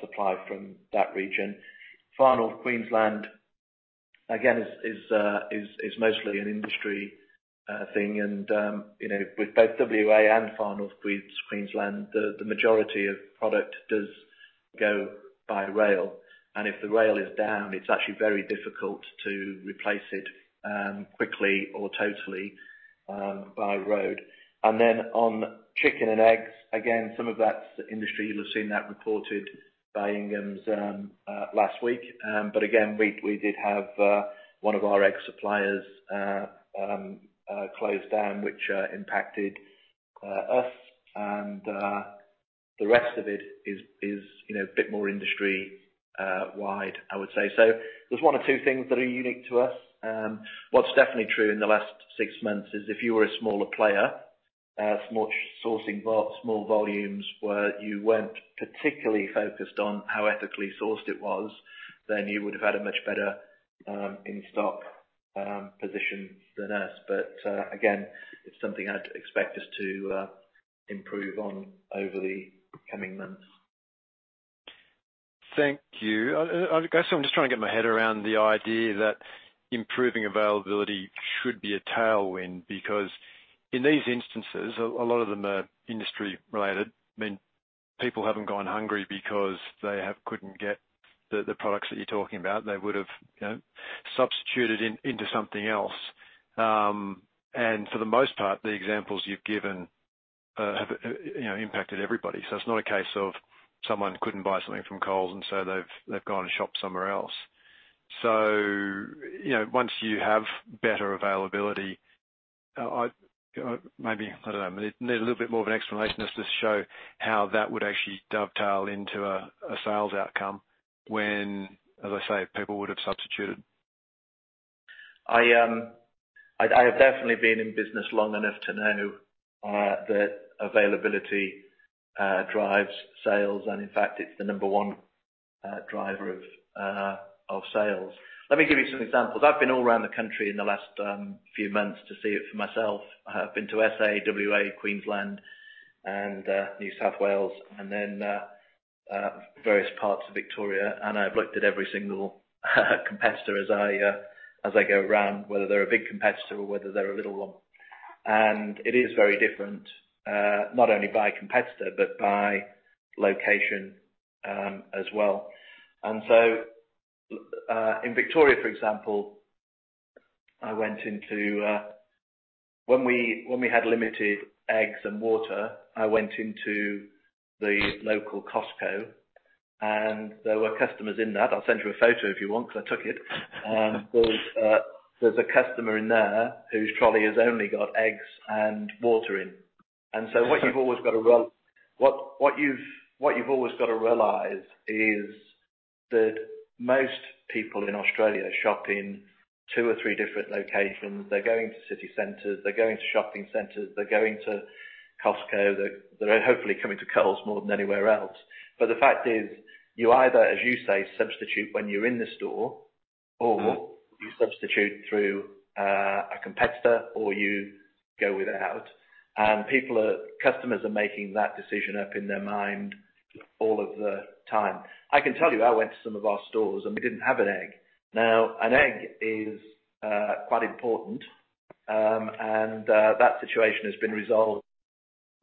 supply from that region. Far North Queensland, again, is mostly an industry thing, and you know, with both WA and Far North Queensland, the majority of product does go by rail, and if the rail is down, it's actually very difficult to replace it quickly or totally by road. And then on chicken and eggs, again, some of that's industry. You'll have seen that reported by Inghams last week. But again, we did have one of our egg suppliers close down, which impacted us. And the rest of it is, you know, a bit more industry wide, I would say. So there's one or two things that are unique to us. What's definitely true in the last six months is if you were a smaller player, sourcing small volumes, where you weren't particularly focused on how ethically sourced it was, then you would have had a much better in-stock position than us. But again, it's something I'd expect us to improve on over the coming months. Thank you. I guess I'm just trying to get my head around the idea that improving availability should be a tailwind, because in these instances, a lot of them are industry related. I mean, people haven't gone hungry because they couldn't get the products that you're talking about. They would have, you know, substituted into something else. For the most part, the examples you've given have, you know, impacted everybody. It's not a case of someone couldn't buy something from Coles, and so they've gone and shopped somewhere else. You know, once you have better availability, I maybe, I don't know, need a little bit more of an explanation as to show how that would actually dovetail into a sales outcome when, as I say, people would have substituted. I have definitely been in business long enough to know that availability drives sales, and in fact, it's the number one driver of sales. Let me give you some examples. I've been all around the country in the last few months to see it for myself. I have been to SA, WA, Queensland, and New South Wales, and then various parts of Victoria, and I've looked at every single competitor as I go around, whether they're a big competitor or whether they're a little one. It is very different not only by competitor, but by location as well. In Victoria, for example, I went into. When we had limited eggs and water, I went into the local Costco, and there were customers in that. I'll send you a photo if you want, 'cause I took it. There's a customer in there whose trolley has only got eggs and water in. What you've always got to realize is that most people in Australia shop in two or three different locations. They're going to city centers. They're going to shopping centers. They're going to Costco. They're hopefully coming to Coles more than anywhere else. The fact is, you either, as you say, substitute when you're in the store, or you substitute through a competitor, or you go without. Customers are making that decision up in their mind all of the time. I can tell you, I went to some of our stores, and we didn't have an egg. An egg is quite important, and that situation has been resolved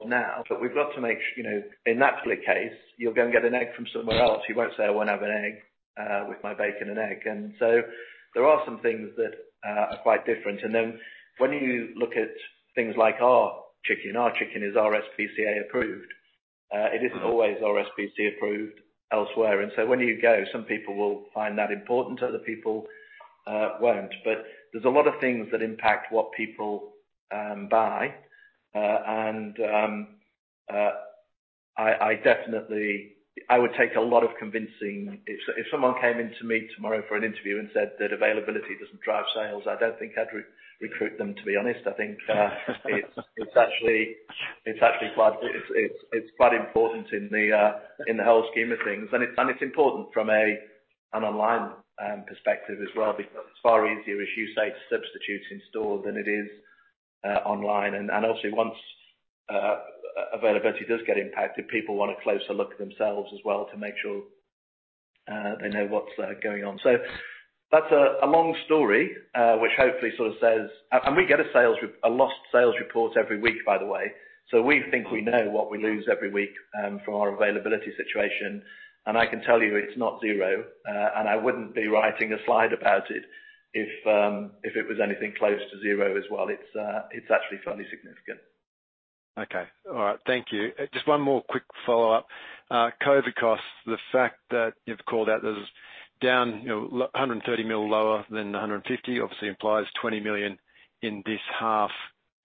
now. You know, in that particular case, you'll go and get an egg from somewhere else. You won't say, "I won't have an egg with my bacon and egg." There are some things that are quite different. When you look at things like our chicken, our chicken is RSPCA approved. It isn't always RSPCA approved elsewhere. When you go, some people will find that important, other people won't. There's a lot of things that impact what people buy. I would take a lot of convincing if someone came into me tomorrow for an interview and said that availability doesn't drive sales, I don't think I'd re-recruit them, to be honest. I think it's actually quite, it's quite important in the whole scheme of things. It's important from an online perspective as well, because it's far easier, as you say, to substitute in store than it is online. Obviously once availability does get impacted, people want a closer look themselves as well to make sure they know what's going on. That's a long story which hopefully sort of says... We get a lost sales report every week, by the way. We think we know what we lose every week from our availability situation. I can tell you it's not 0, and I wouldn't be writing a slide about it if it was anything close to zero as well. It's actually fairly significant. Okay. All right. Thank you. Just one more quick follow-up. COVID costs, the fact that you've called out that it's down, you know, 130 million lower than 150 million obviously implies 20 million in this half,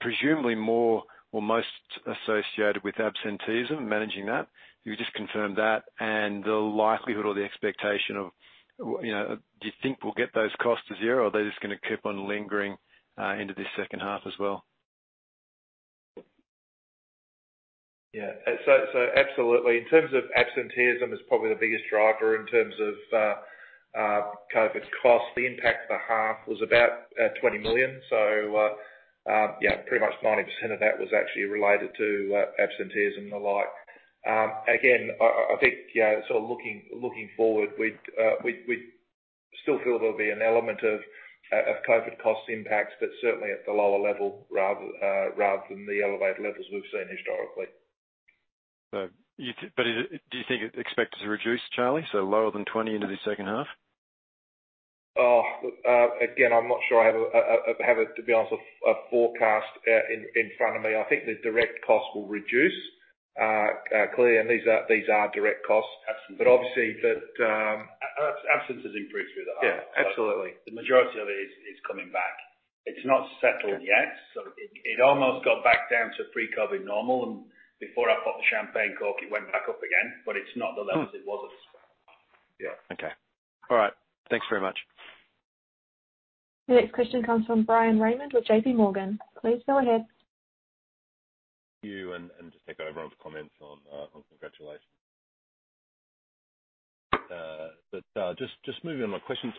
presumably more or most associated with absenteeism, managing that. Can you just confirm that and the likelihood or the expectation of... You know, do you think we'll get those costs to zero, or are they just gonna keep on lingering into this second half as well? Yeah. Absolutely. In terms of absenteeism, is probably the biggest driver in terms of COVID costs. The impact to the half was about 20 million. Yeah, pretty much 90% of that was actually related to absenteeism and the like. Again, I think, you know, sort of looking forward, we'd still feel there'll be an element of COVID cost impacts, but certainly at the lower level rather than the elevated levels we've seen historically. Do you think it's expected to reduce, Charlie? Lower than 20 into the second half? again, I'm not sure I have a have a, to be honest, a forecast, in front of me. I think the direct cost will reduce. clear. These are direct costs. Absolutely. obviously the. Absence has improved through the half. Yeah, absolutely. The majority of it is coming back. It's not settled yet. Okay. It almost got back down to pre-COVID normal, and before I popped the champagne cork, it went back up again. It's not the levels it was at. Hmm. Yeah. Okay. All right. Thanks very much. The next question comes from Bryan Raymond with JPMorgan. Please go ahead. Thank you, and just echo everyone's comments on congratulations. Just moving on my questions.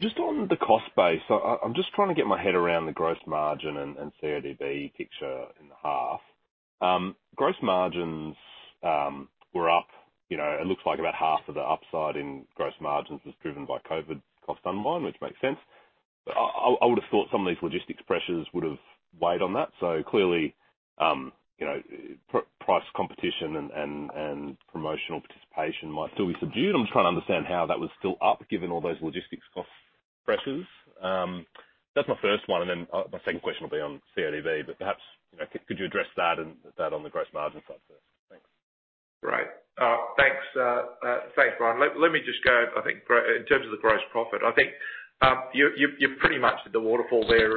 Just on the cost base. I'm just trying to get my head around the gross margin and CODB picture in half. Gross margins were up, you know, it looks like about half of the upside in gross margins was driven by COVID cost online, which makes sense. I would have thought some of these logistics pressures would have weighed on that. Clearly, you know, price competition and promotional participation might still be subdued. I'm trying to understand how that was still up given all those logistics cost pressures. That's my first one. Then my second question will be on CODB, but perhaps, you know, could you address that and that on the gross margin side first? Thanks. Great. Thanks. Thanks, Bryan. Let me just go. I think in terms of the gross profit, I think you've pretty much did the waterfall there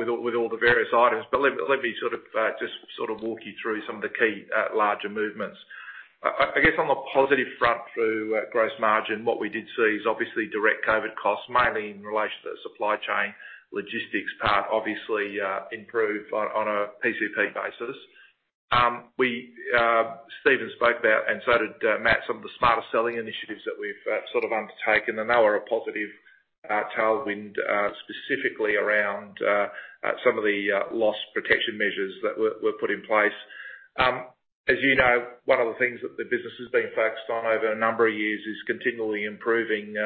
with all the various items. Let me sort of just sort of walk you through some of the key larger movements. I guess on the positive front through gross margin, what we did see is obviously direct COVID costs, mainly in relation to the supply chain logistics part, obviously improve on a PCP basis. We Steven spoke about, and so did Matt, some of the Smarter Selling initiatives that we've sort of undertaken, and they were a positive tailwind specifically around some of the loss protection measures that were put in place. As you know, one of the things that the business has been focused on over a number of years is continually improving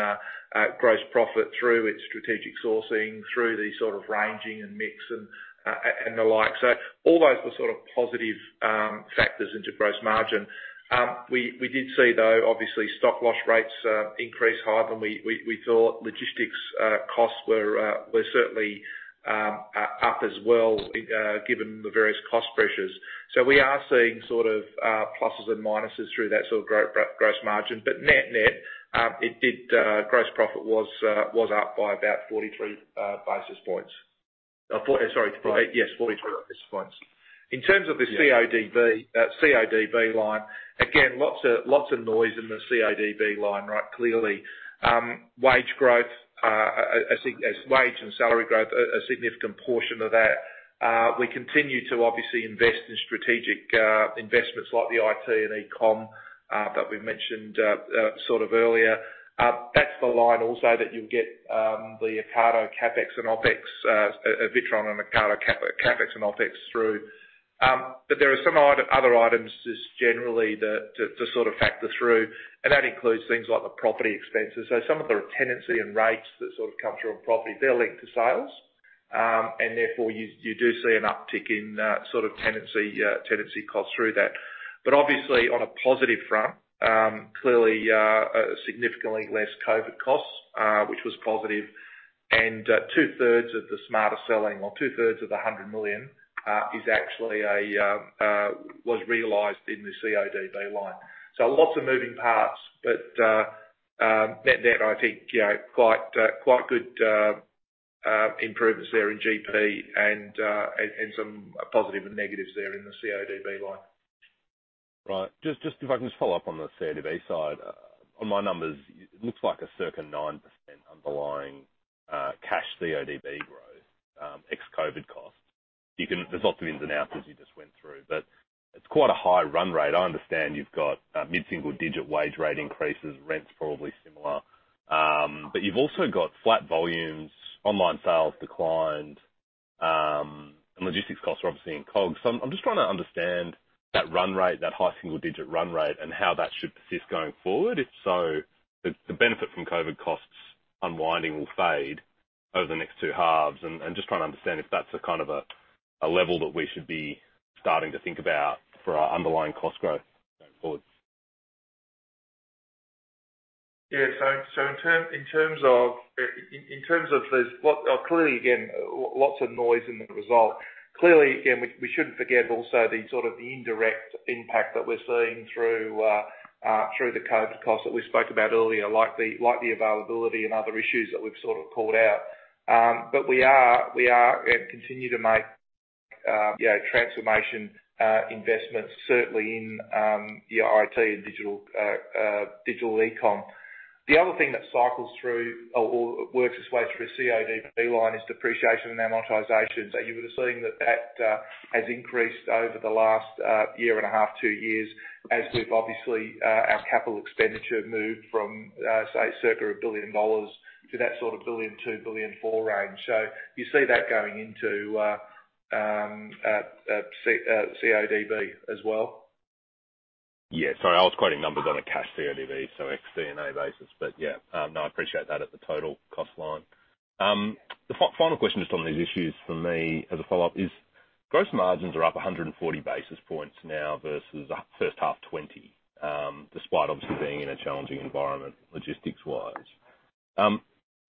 gross profit through its strategic sourcing, through the sort of ranging and mix and the like. All those are sort of positive factors into gross margin. We did see though, obviously, stock loss rates increase higher than we thought. Logistics costs were certainly up as well, given the various cost pressures. We are seeing sort of pluses and minuses through that sort of gross margin. Net-net, it did, gross profit was up by about 43 basis points. 40... Sorry. Right. Yes, 43 basis points. Yeah. CODB line, again, lots of noise in the CODB line, right? Clearly, wage growth, as wage and salary growth, a significant portion of that. We continue to obviously invest in strategic investments like the IT and eCom that we've mentioned sort of earlier. That's the line also that you'll get the Ocado CapEx and OpEx, Witron and Ocado CapEx and OpEx through. There are some other items just generally that, to sort of factor through, and that includes things like the property expenses. So some of the tenancy and rates that sort of come through on property, they're linked to sales. Therefore, you do see an uptick in sort of tenancy costs through that. Obviously, on a positive front, clearly, significantly less COVID costs, which was positive. Two-thirds of the Smarter Selling or two-thirds of the 100 million, is actually was realized in the CODB line. Lots of moving parts, but net-net, I think, you know, quite good improvements there in GP and some positive and negatives there in the CODB line. Right. Just if I can just follow up on the CODB side. On my numbers, it looks like a circa 9% underlying cash CODB growth ex-COVID costs. There's lots of ins and outs as you just went through. It's quite a high run rate. I understand you've got mid-single digit wage rate increases, rent's probably similar. You've also got flat volumes, online sales declined, and logistics costs are obviously in cog. I'm just trying to understand that run rate, that high single digit run rate, and how that should persist going forward. If so, the benefit from COVID costs unwinding will fade over the next two halves. Just trying to understand if that's a kind of a level that we should be starting to think about for our underlying cost growth going forward. In terms of in terms of this. Clearly, again, lots of noise in the result. Clearly, again, we shouldn't forget also the sort of the indirect impact that we're seeing through the COVID costs that we spoke about earlier, like the availability and other issues that we've sort of called out. We are continue to make transformation investments certainly in IT and digital eCom. The other thing that cycles through or works its way through a CODB line is depreciation and amortization. You would have seen that has increased over the last year and a half, two years, as we've obviously our capital expenditure moved from, say, circa 1 billion dollars to that sort of 1.2 billion-1.4 billion range. You see that going into CODB as well. Yeah. Sorry, I was quoting numbers on a cash CODB, so ex-D&A basis. Yeah. No, I appreciate that at the total cost line. The final question just on these issues for me as a follow-up is, gross margins are up 140 basis points now versus first half 2020, despite obviously being in a challenging environment logistics-wise.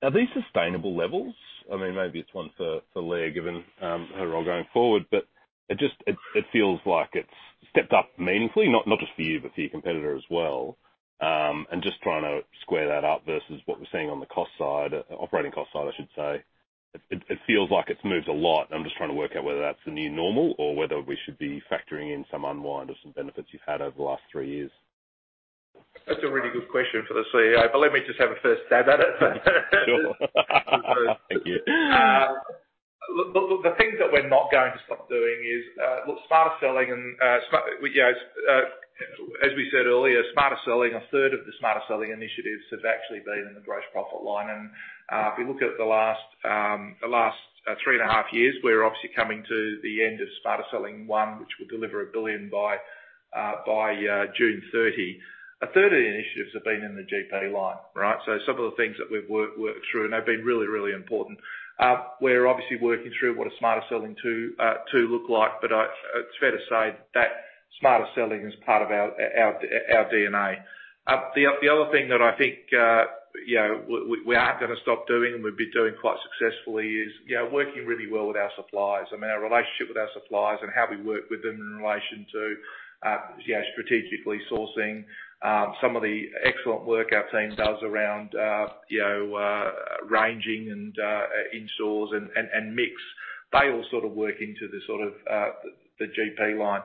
Are these sustainable levels? I mean, maybe it's one for Leah, given her role going forward, but it just, it feels like it's stepped up meaningfully, not just for you, but for your competitor as well. Just trying to square that up versus what we're seeing on the cost side, operating cost side, I should say. It feels like it's moved a lot. I'm just trying to work out whether that's the new normal or whether we should be factoring in some unwind of some benefits you've had over the last three years. That's a really good question for the CEO, but let me just have a first stab at it. Sure. Thank you. Look, the things that we're not going to stop doing is, Smarter Selling and yeah, as we said earlier, Smarter Selling, a third of the Smarter Selling initiatives have actually been in the gross profit line. If you look at the last, the last, three and a half years, we're obviously coming to the end of Smarter Selling 1.0, which will deliver 1 billion by June 30. A third of the initiatives have been in the GP line, right? Some of the things that we've worked through, and they've been really, really important. We're obviously working through what a Smarter Selling 2.0 Look like, but it's fair to say that Smarter Selling is part of our D&A. The other thing that I think, you know, we aren't gonna stop doing and we've been doing quite successfully is, you know, working really well with our suppliers. I mean, our relationship with our suppliers and how we work with them in relation to, you know, strategically sourcing, some of the excellent work our team does around, you know, ranging and in-stores and mix, they all sort of work into the sort of, the GP line.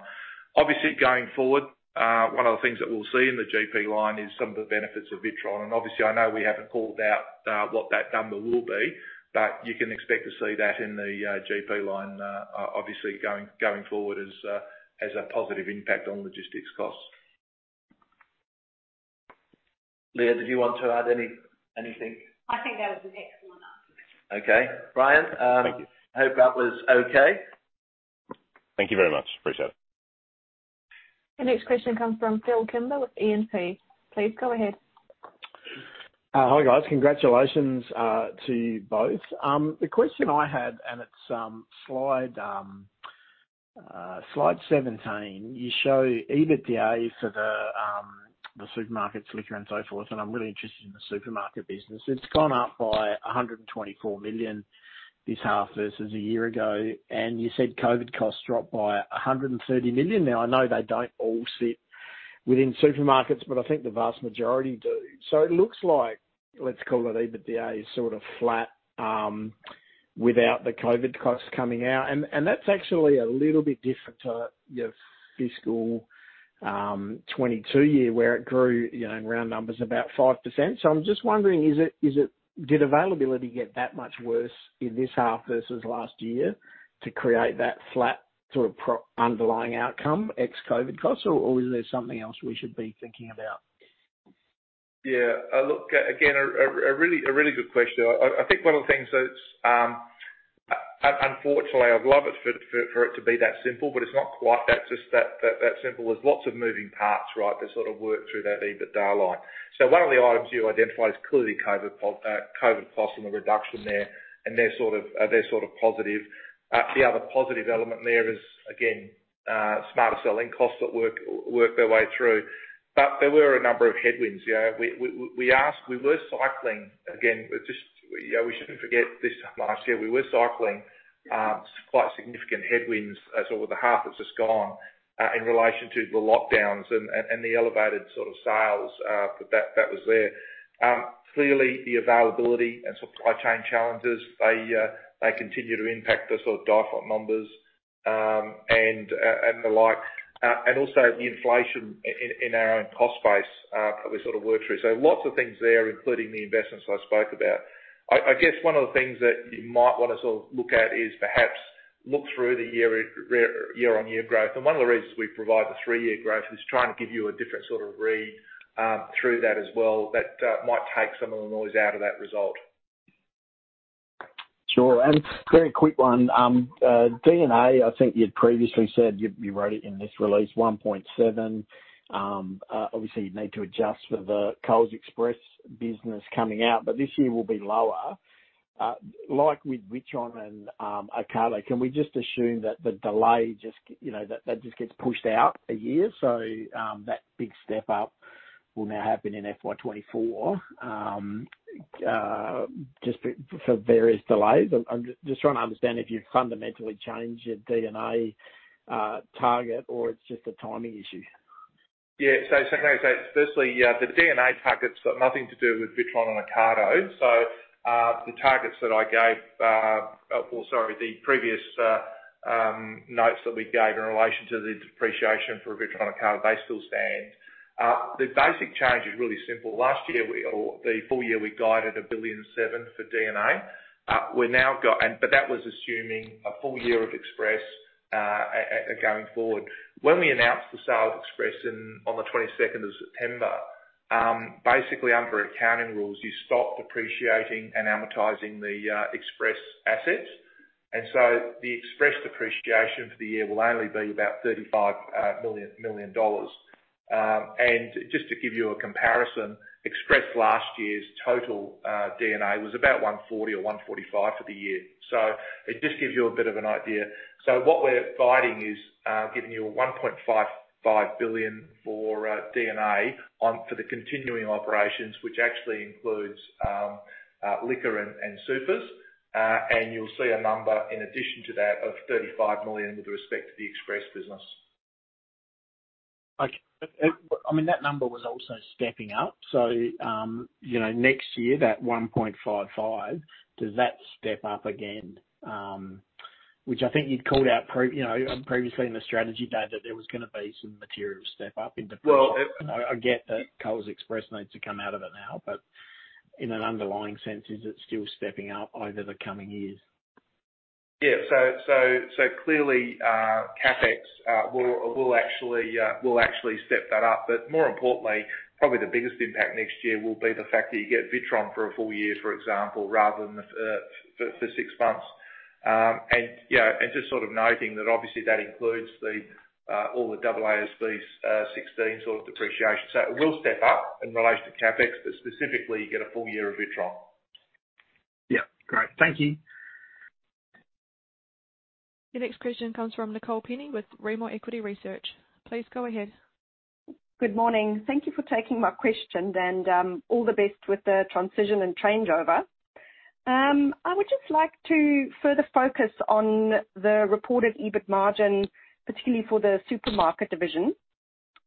Obviously, going forward, one of the things that we'll see in the GP line is some of the benefits of Witron. Obviously, I know we haven't called out, what that number will be, but you can expect to see that in the GP line, obviously going forward as a positive impact on logistics costs. Leah, did you want to add anything? I think that was an excellent answer. Okay. Bryan. Thank you. I hope that was okay. Thank you very much. Appreciate it. The next question comes from Phillip Kimber with E&P. Please go ahead. Hi, guys. Congratulations to you both. The question I had, and it's slide 17. You show EBITDA for the Supermarkets, Liquor and so forth, and I'm really interested in the Supermarket business. It's gone up by 124 million this half versus a year ago, and you said COVID costs dropped by 130 million. Now, I know they don't all sit within Supermarkets, but I think the vast majority do. So it looks like, let's call it EBITDA, is sort of flat without the COVID costs coming out. That's actually a little bit different to your fiscal 2022 year where it grew, you know, in round numbers about 5%. So I'm just wondering, is it... Did availability get that much worse in this half versus last year to create that flat sort of pro- underlying outcome, ex-COVID costs? Or is there something else we should be thinking about? Yeah. Look, again, a really, a really good question. I think one of the things that's, unfortunately, I'd love it for it to be that simple, but it's not quite that, just that, that simple. There's lots of moving parts, right, that sort of work through that EBITDA line. One of the items you identified is clearly COVID cost and the reduction there, and they're sort of, they're sort of positive. The other positive element there is, again, Smarter Selling costs that work their way through. There were a number of headwinds. You know, we asked, we were cycling again, just, you know, we shouldn't forget this time last year, we were cycling quite significant headwinds as over the half that's just gone in relation to the lockdowns and the elevated sort of sales, but that was there. Clearly the availability and supply chain challenges, they continue to impact the sort of DIFOT numbers, and the like, and also the inflation in our own cost base that we sort of worked through. Lots of things there, including the investments I spoke about. I guess one of the things that you might wanna sort of look at is perhaps look through the year year-on-year growth. One of the reasons we provide the three-year growth is trying to give you a different sort of read, through that as well that might take some of the noise out of that result. Sure. Very quick one. D&A, I think you'd previously said, you wrote it in this release, 1.7. Obviously you'd need to adjust for the Coles Express business coming out, but this year will be lower. Like with Witron and Ocado, can we just assume that the delay, you know, that just gets pushed out a year, so that big step up will now happen in FY 2024 just for various delays? I'm just trying to understand if you've fundamentally changed your D&A target, or it's just a timing issue. Yeah. can I say firstly, the D&A target's got nothing to do with Witron and Ocado. The targets that I gave, or sorry, the previous notes that we gave in relation to the depreciation for Witron Ocado, they still stand. The basic change is really simple. Last year, the full year we guided 1.7 billion for D&A. but that was assuming a full year of Express, and going forward. When we announced the sale of Express on the 22nd of September, basically under accounting rules, you stop depreciating and amortizing the Express assets. The Express depreciation for the year will only be about 35 million dollars. Just to give you a comparison, Express last year's total D&A was about 140 or 145 for the year. It just gives you a bit of an idea. What we're guiding is giving you a 1.55 billion for D&A for the continuing operations, which actually includes Liquor and supers. You'll see a number in addition to that of 35 million with respect to the Express business. Okay. I mean, that number was also stepping up. You know, next year, that 1.55, does that step up again, which I think you'd called out previously in the strategy day that there was gonna be some material step up in- Well. I get that Coles Express needs to come out of it now, but in an underlying sense, is it still stepping up over the coming years? Clearly, CapEx will actually step that up. More importantly, probably the biggest impact next year will be the fact that you get Witron for a full year, for example, rather than the for six months. Just sort of noting that obviously that includes the all the AASB 16 sort of depreciation. It will step up in relation to CapEx, but specifically you get a full year of Witron. Yeah. Great. Thank you. Your next question comes from Nicole Pini with [Morningside] Equity Research. Please go ahead. Good morning. Thank you for taking my question. All the best with the transition and changeover. I would just like to further focus on the reported EBIT margin, particularly for the Supermarket division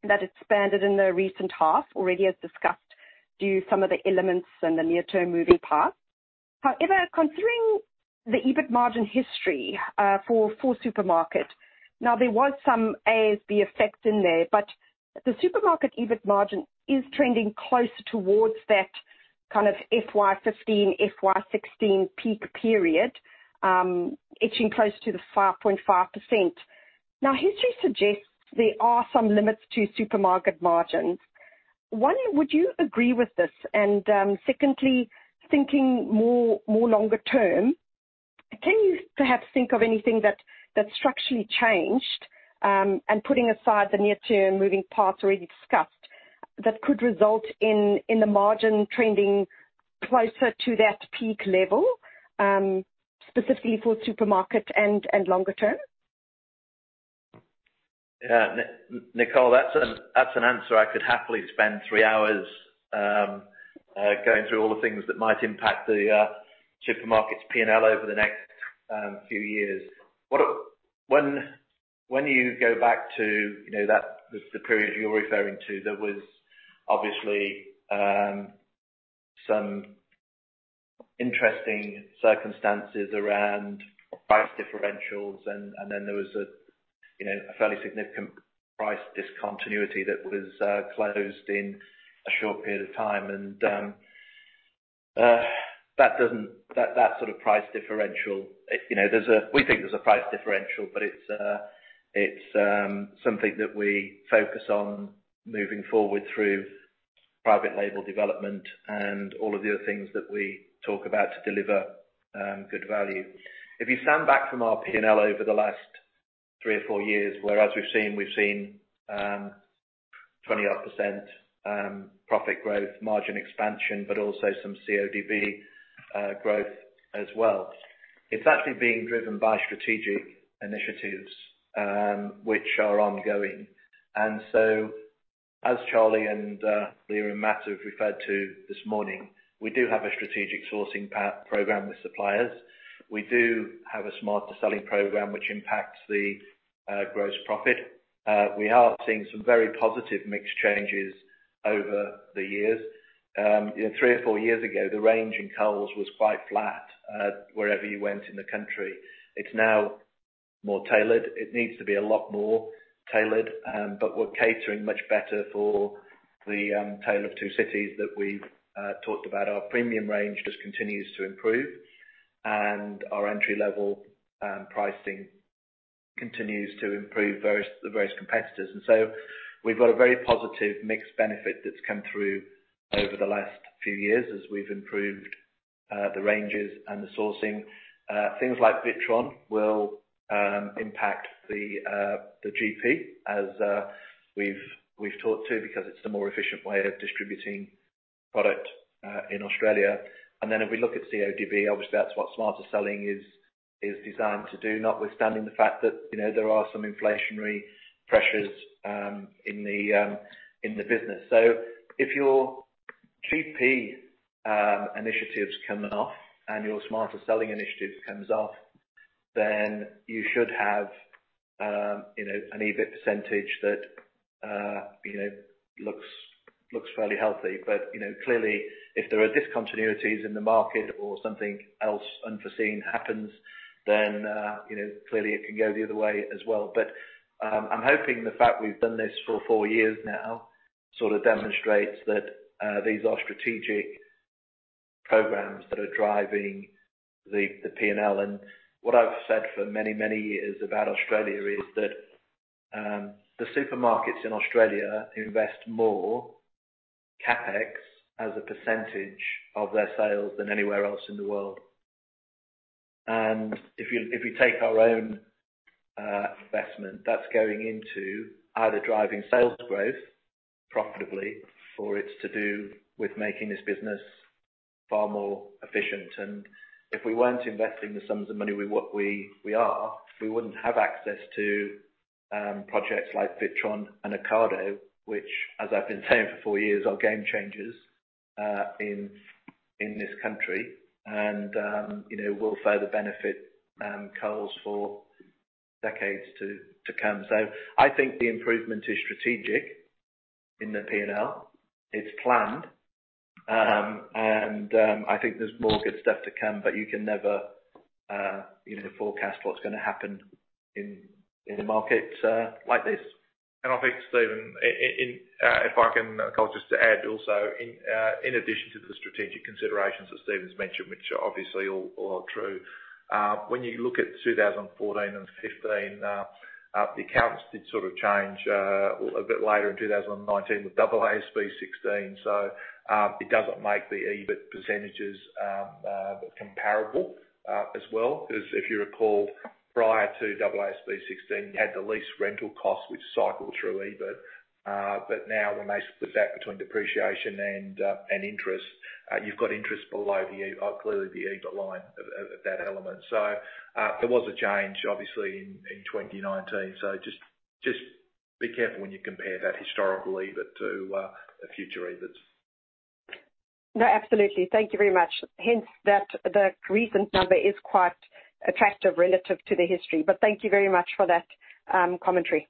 that expanded in the recent half. Already as discussed, due to some of the elements in the near term moving past. However, considering the EBIT margin history, for Supermarket, now there was some ASB effect in there, but the Supermarket EBIT margin is trending closer towards that kind of FY 2015, FY 2016 peak period, etching close to the 5.5%. Now, history suggests there are some limits to Supermarket margins. One, would you agree with this? Secondly, thinking more longer term, can you perhaps think of anything that structurally changed, and putting aside the near term moving parts already discussed, that could result in the margin trending closer to that peak level, specifically for Supermarket and longer term? Yeah. Nicole, that's an answer I could happily spend three hours going through all the things that might impact the Supermarket's P&L over the next few years. When you go back to, you know, the period you're referring to, there was obviously some interesting circumstances around price differentials and then there was a, you know, a fairly significant price discontinuity that was closed in a short period of time. That sort of price differential, you know, we think there's a price differential, but it's something that we focus on moving forward through private label development and all of the other things that we talk about to deliver good value. If you stand back from our P&L over the last three or four years, where as we've seen, 20%-odd, profit growth, margin expansion, but also some CODB growth as well. It's actually being driven by strategic initiatives, which are ongoing. As Charlie and Leah and Matt have referred to this morning, we do have a strategic sourcing program with suppliers. We do have a Smarter Selling program which impacts the gross profit. We are seeing some very positive mix changes over the years. Three or four years ago, the range in Coles was quite flat, wherever you went in the country. It's now more tailored. It needs to be a lot more tailored, but we're catering much better for the tale of two cities that we've talked about. Our premium range just continues to improve and our entry-level pricing continues to improve versus the various competitors. We've got a very positive mix benefit that's come through over the last few years as we've improved the ranges and the sourcing. Things like Witron will impact the GP as we've talked to, because it's the more efficient way of distributing product in Australia. If we look at CODB, obviously that's what Smarter Selling is designed to do, notwithstanding the fact that, you know, there are some inflationary pressures in the business. If your GP initiatives come off and your Smarter Selling initiative comes off, then you should have, you know, an EBIT percentage that, you know, looks fairly healthy. You know, clearly if there are discontinuities in the market or something else unforeseen happens, then, you know, clearly it can go the other way as well. I'm hoping the fact we've done this for four years now sorta demonstrates that these are strategic programs that are driving the P&L. What I've said for many, many years about Australia is that the supermarkets in Australia invest more CapEx as a percentage of their sales than anywhere else in the world. If you take our own investment that's going into either driving sales growth profitably, or it's to do with making this business far more efficient. If we weren't investing the sums of money we are, we wouldn't have access to projects like Witron and Ocado, which as I've been saying for four years, are game changers in this country. You know, will further benefit Coles for decades to come. I think the improvement is strategic in the P&L. It's planned. I think there's more good stuff to come, but you can never, you know, forecast what's gonna happen in the markets like this. I think, Steven, I'll just add also, in addition to the strategic considerations that Steven's mentioned, which are obviously all true. When you look at 2014 and 2015, the accounts did sort of change a bit later in 2019 with AASB 16. It doesn't make the EBIT percentages comparable as well. 'Cause if you recall, prior to AASB 16, you had the lease rental cost which cycled through EBIT. Now when they split that between depreciation and interest, you've got interest below clearly the EBIT line of that element. There was a change obviously in 2019. Just be careful when you compare that historical EBIT to the future EBITs. No, absolutely. Thank you very much. Hence that the recent number is quite attractive relative to the history. Thank you very much for that commentary.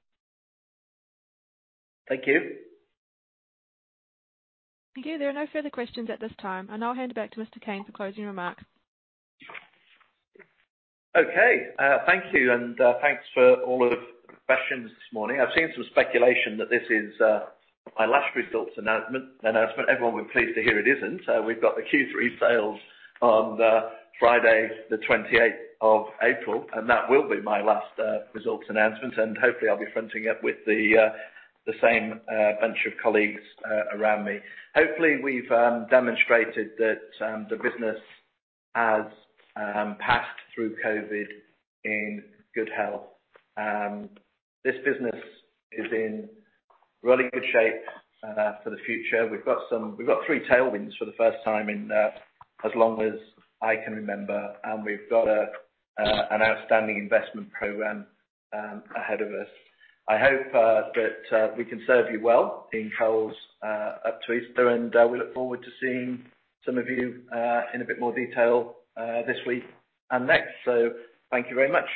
Thank you. Thank you. There are no further questions at this time. I now hand it back to Mr. Cain for closing remarks. Okay. Thank you, and thanks for all the questions this morning. I've seen some speculation that this is my last results announcement. Everyone will be pleased to hear it isn't. We've got the Q3 sales on Friday, the 28th of April, and that will be my last results announcement, and hopefully I'll be fronting it with the same bunch of colleagues around me. Hopefully, we've demonstrated that the business has passed through COVID in good health. This business is in really good shape for the future. We've got three tailwinds for the first time in as long as I can remember, and we've got an outstanding investment program ahead of us. I hope that we can serve you well in Coles up to Easter, and we look forward to seeing some of you in a bit more detail this week and next. Thank you very much.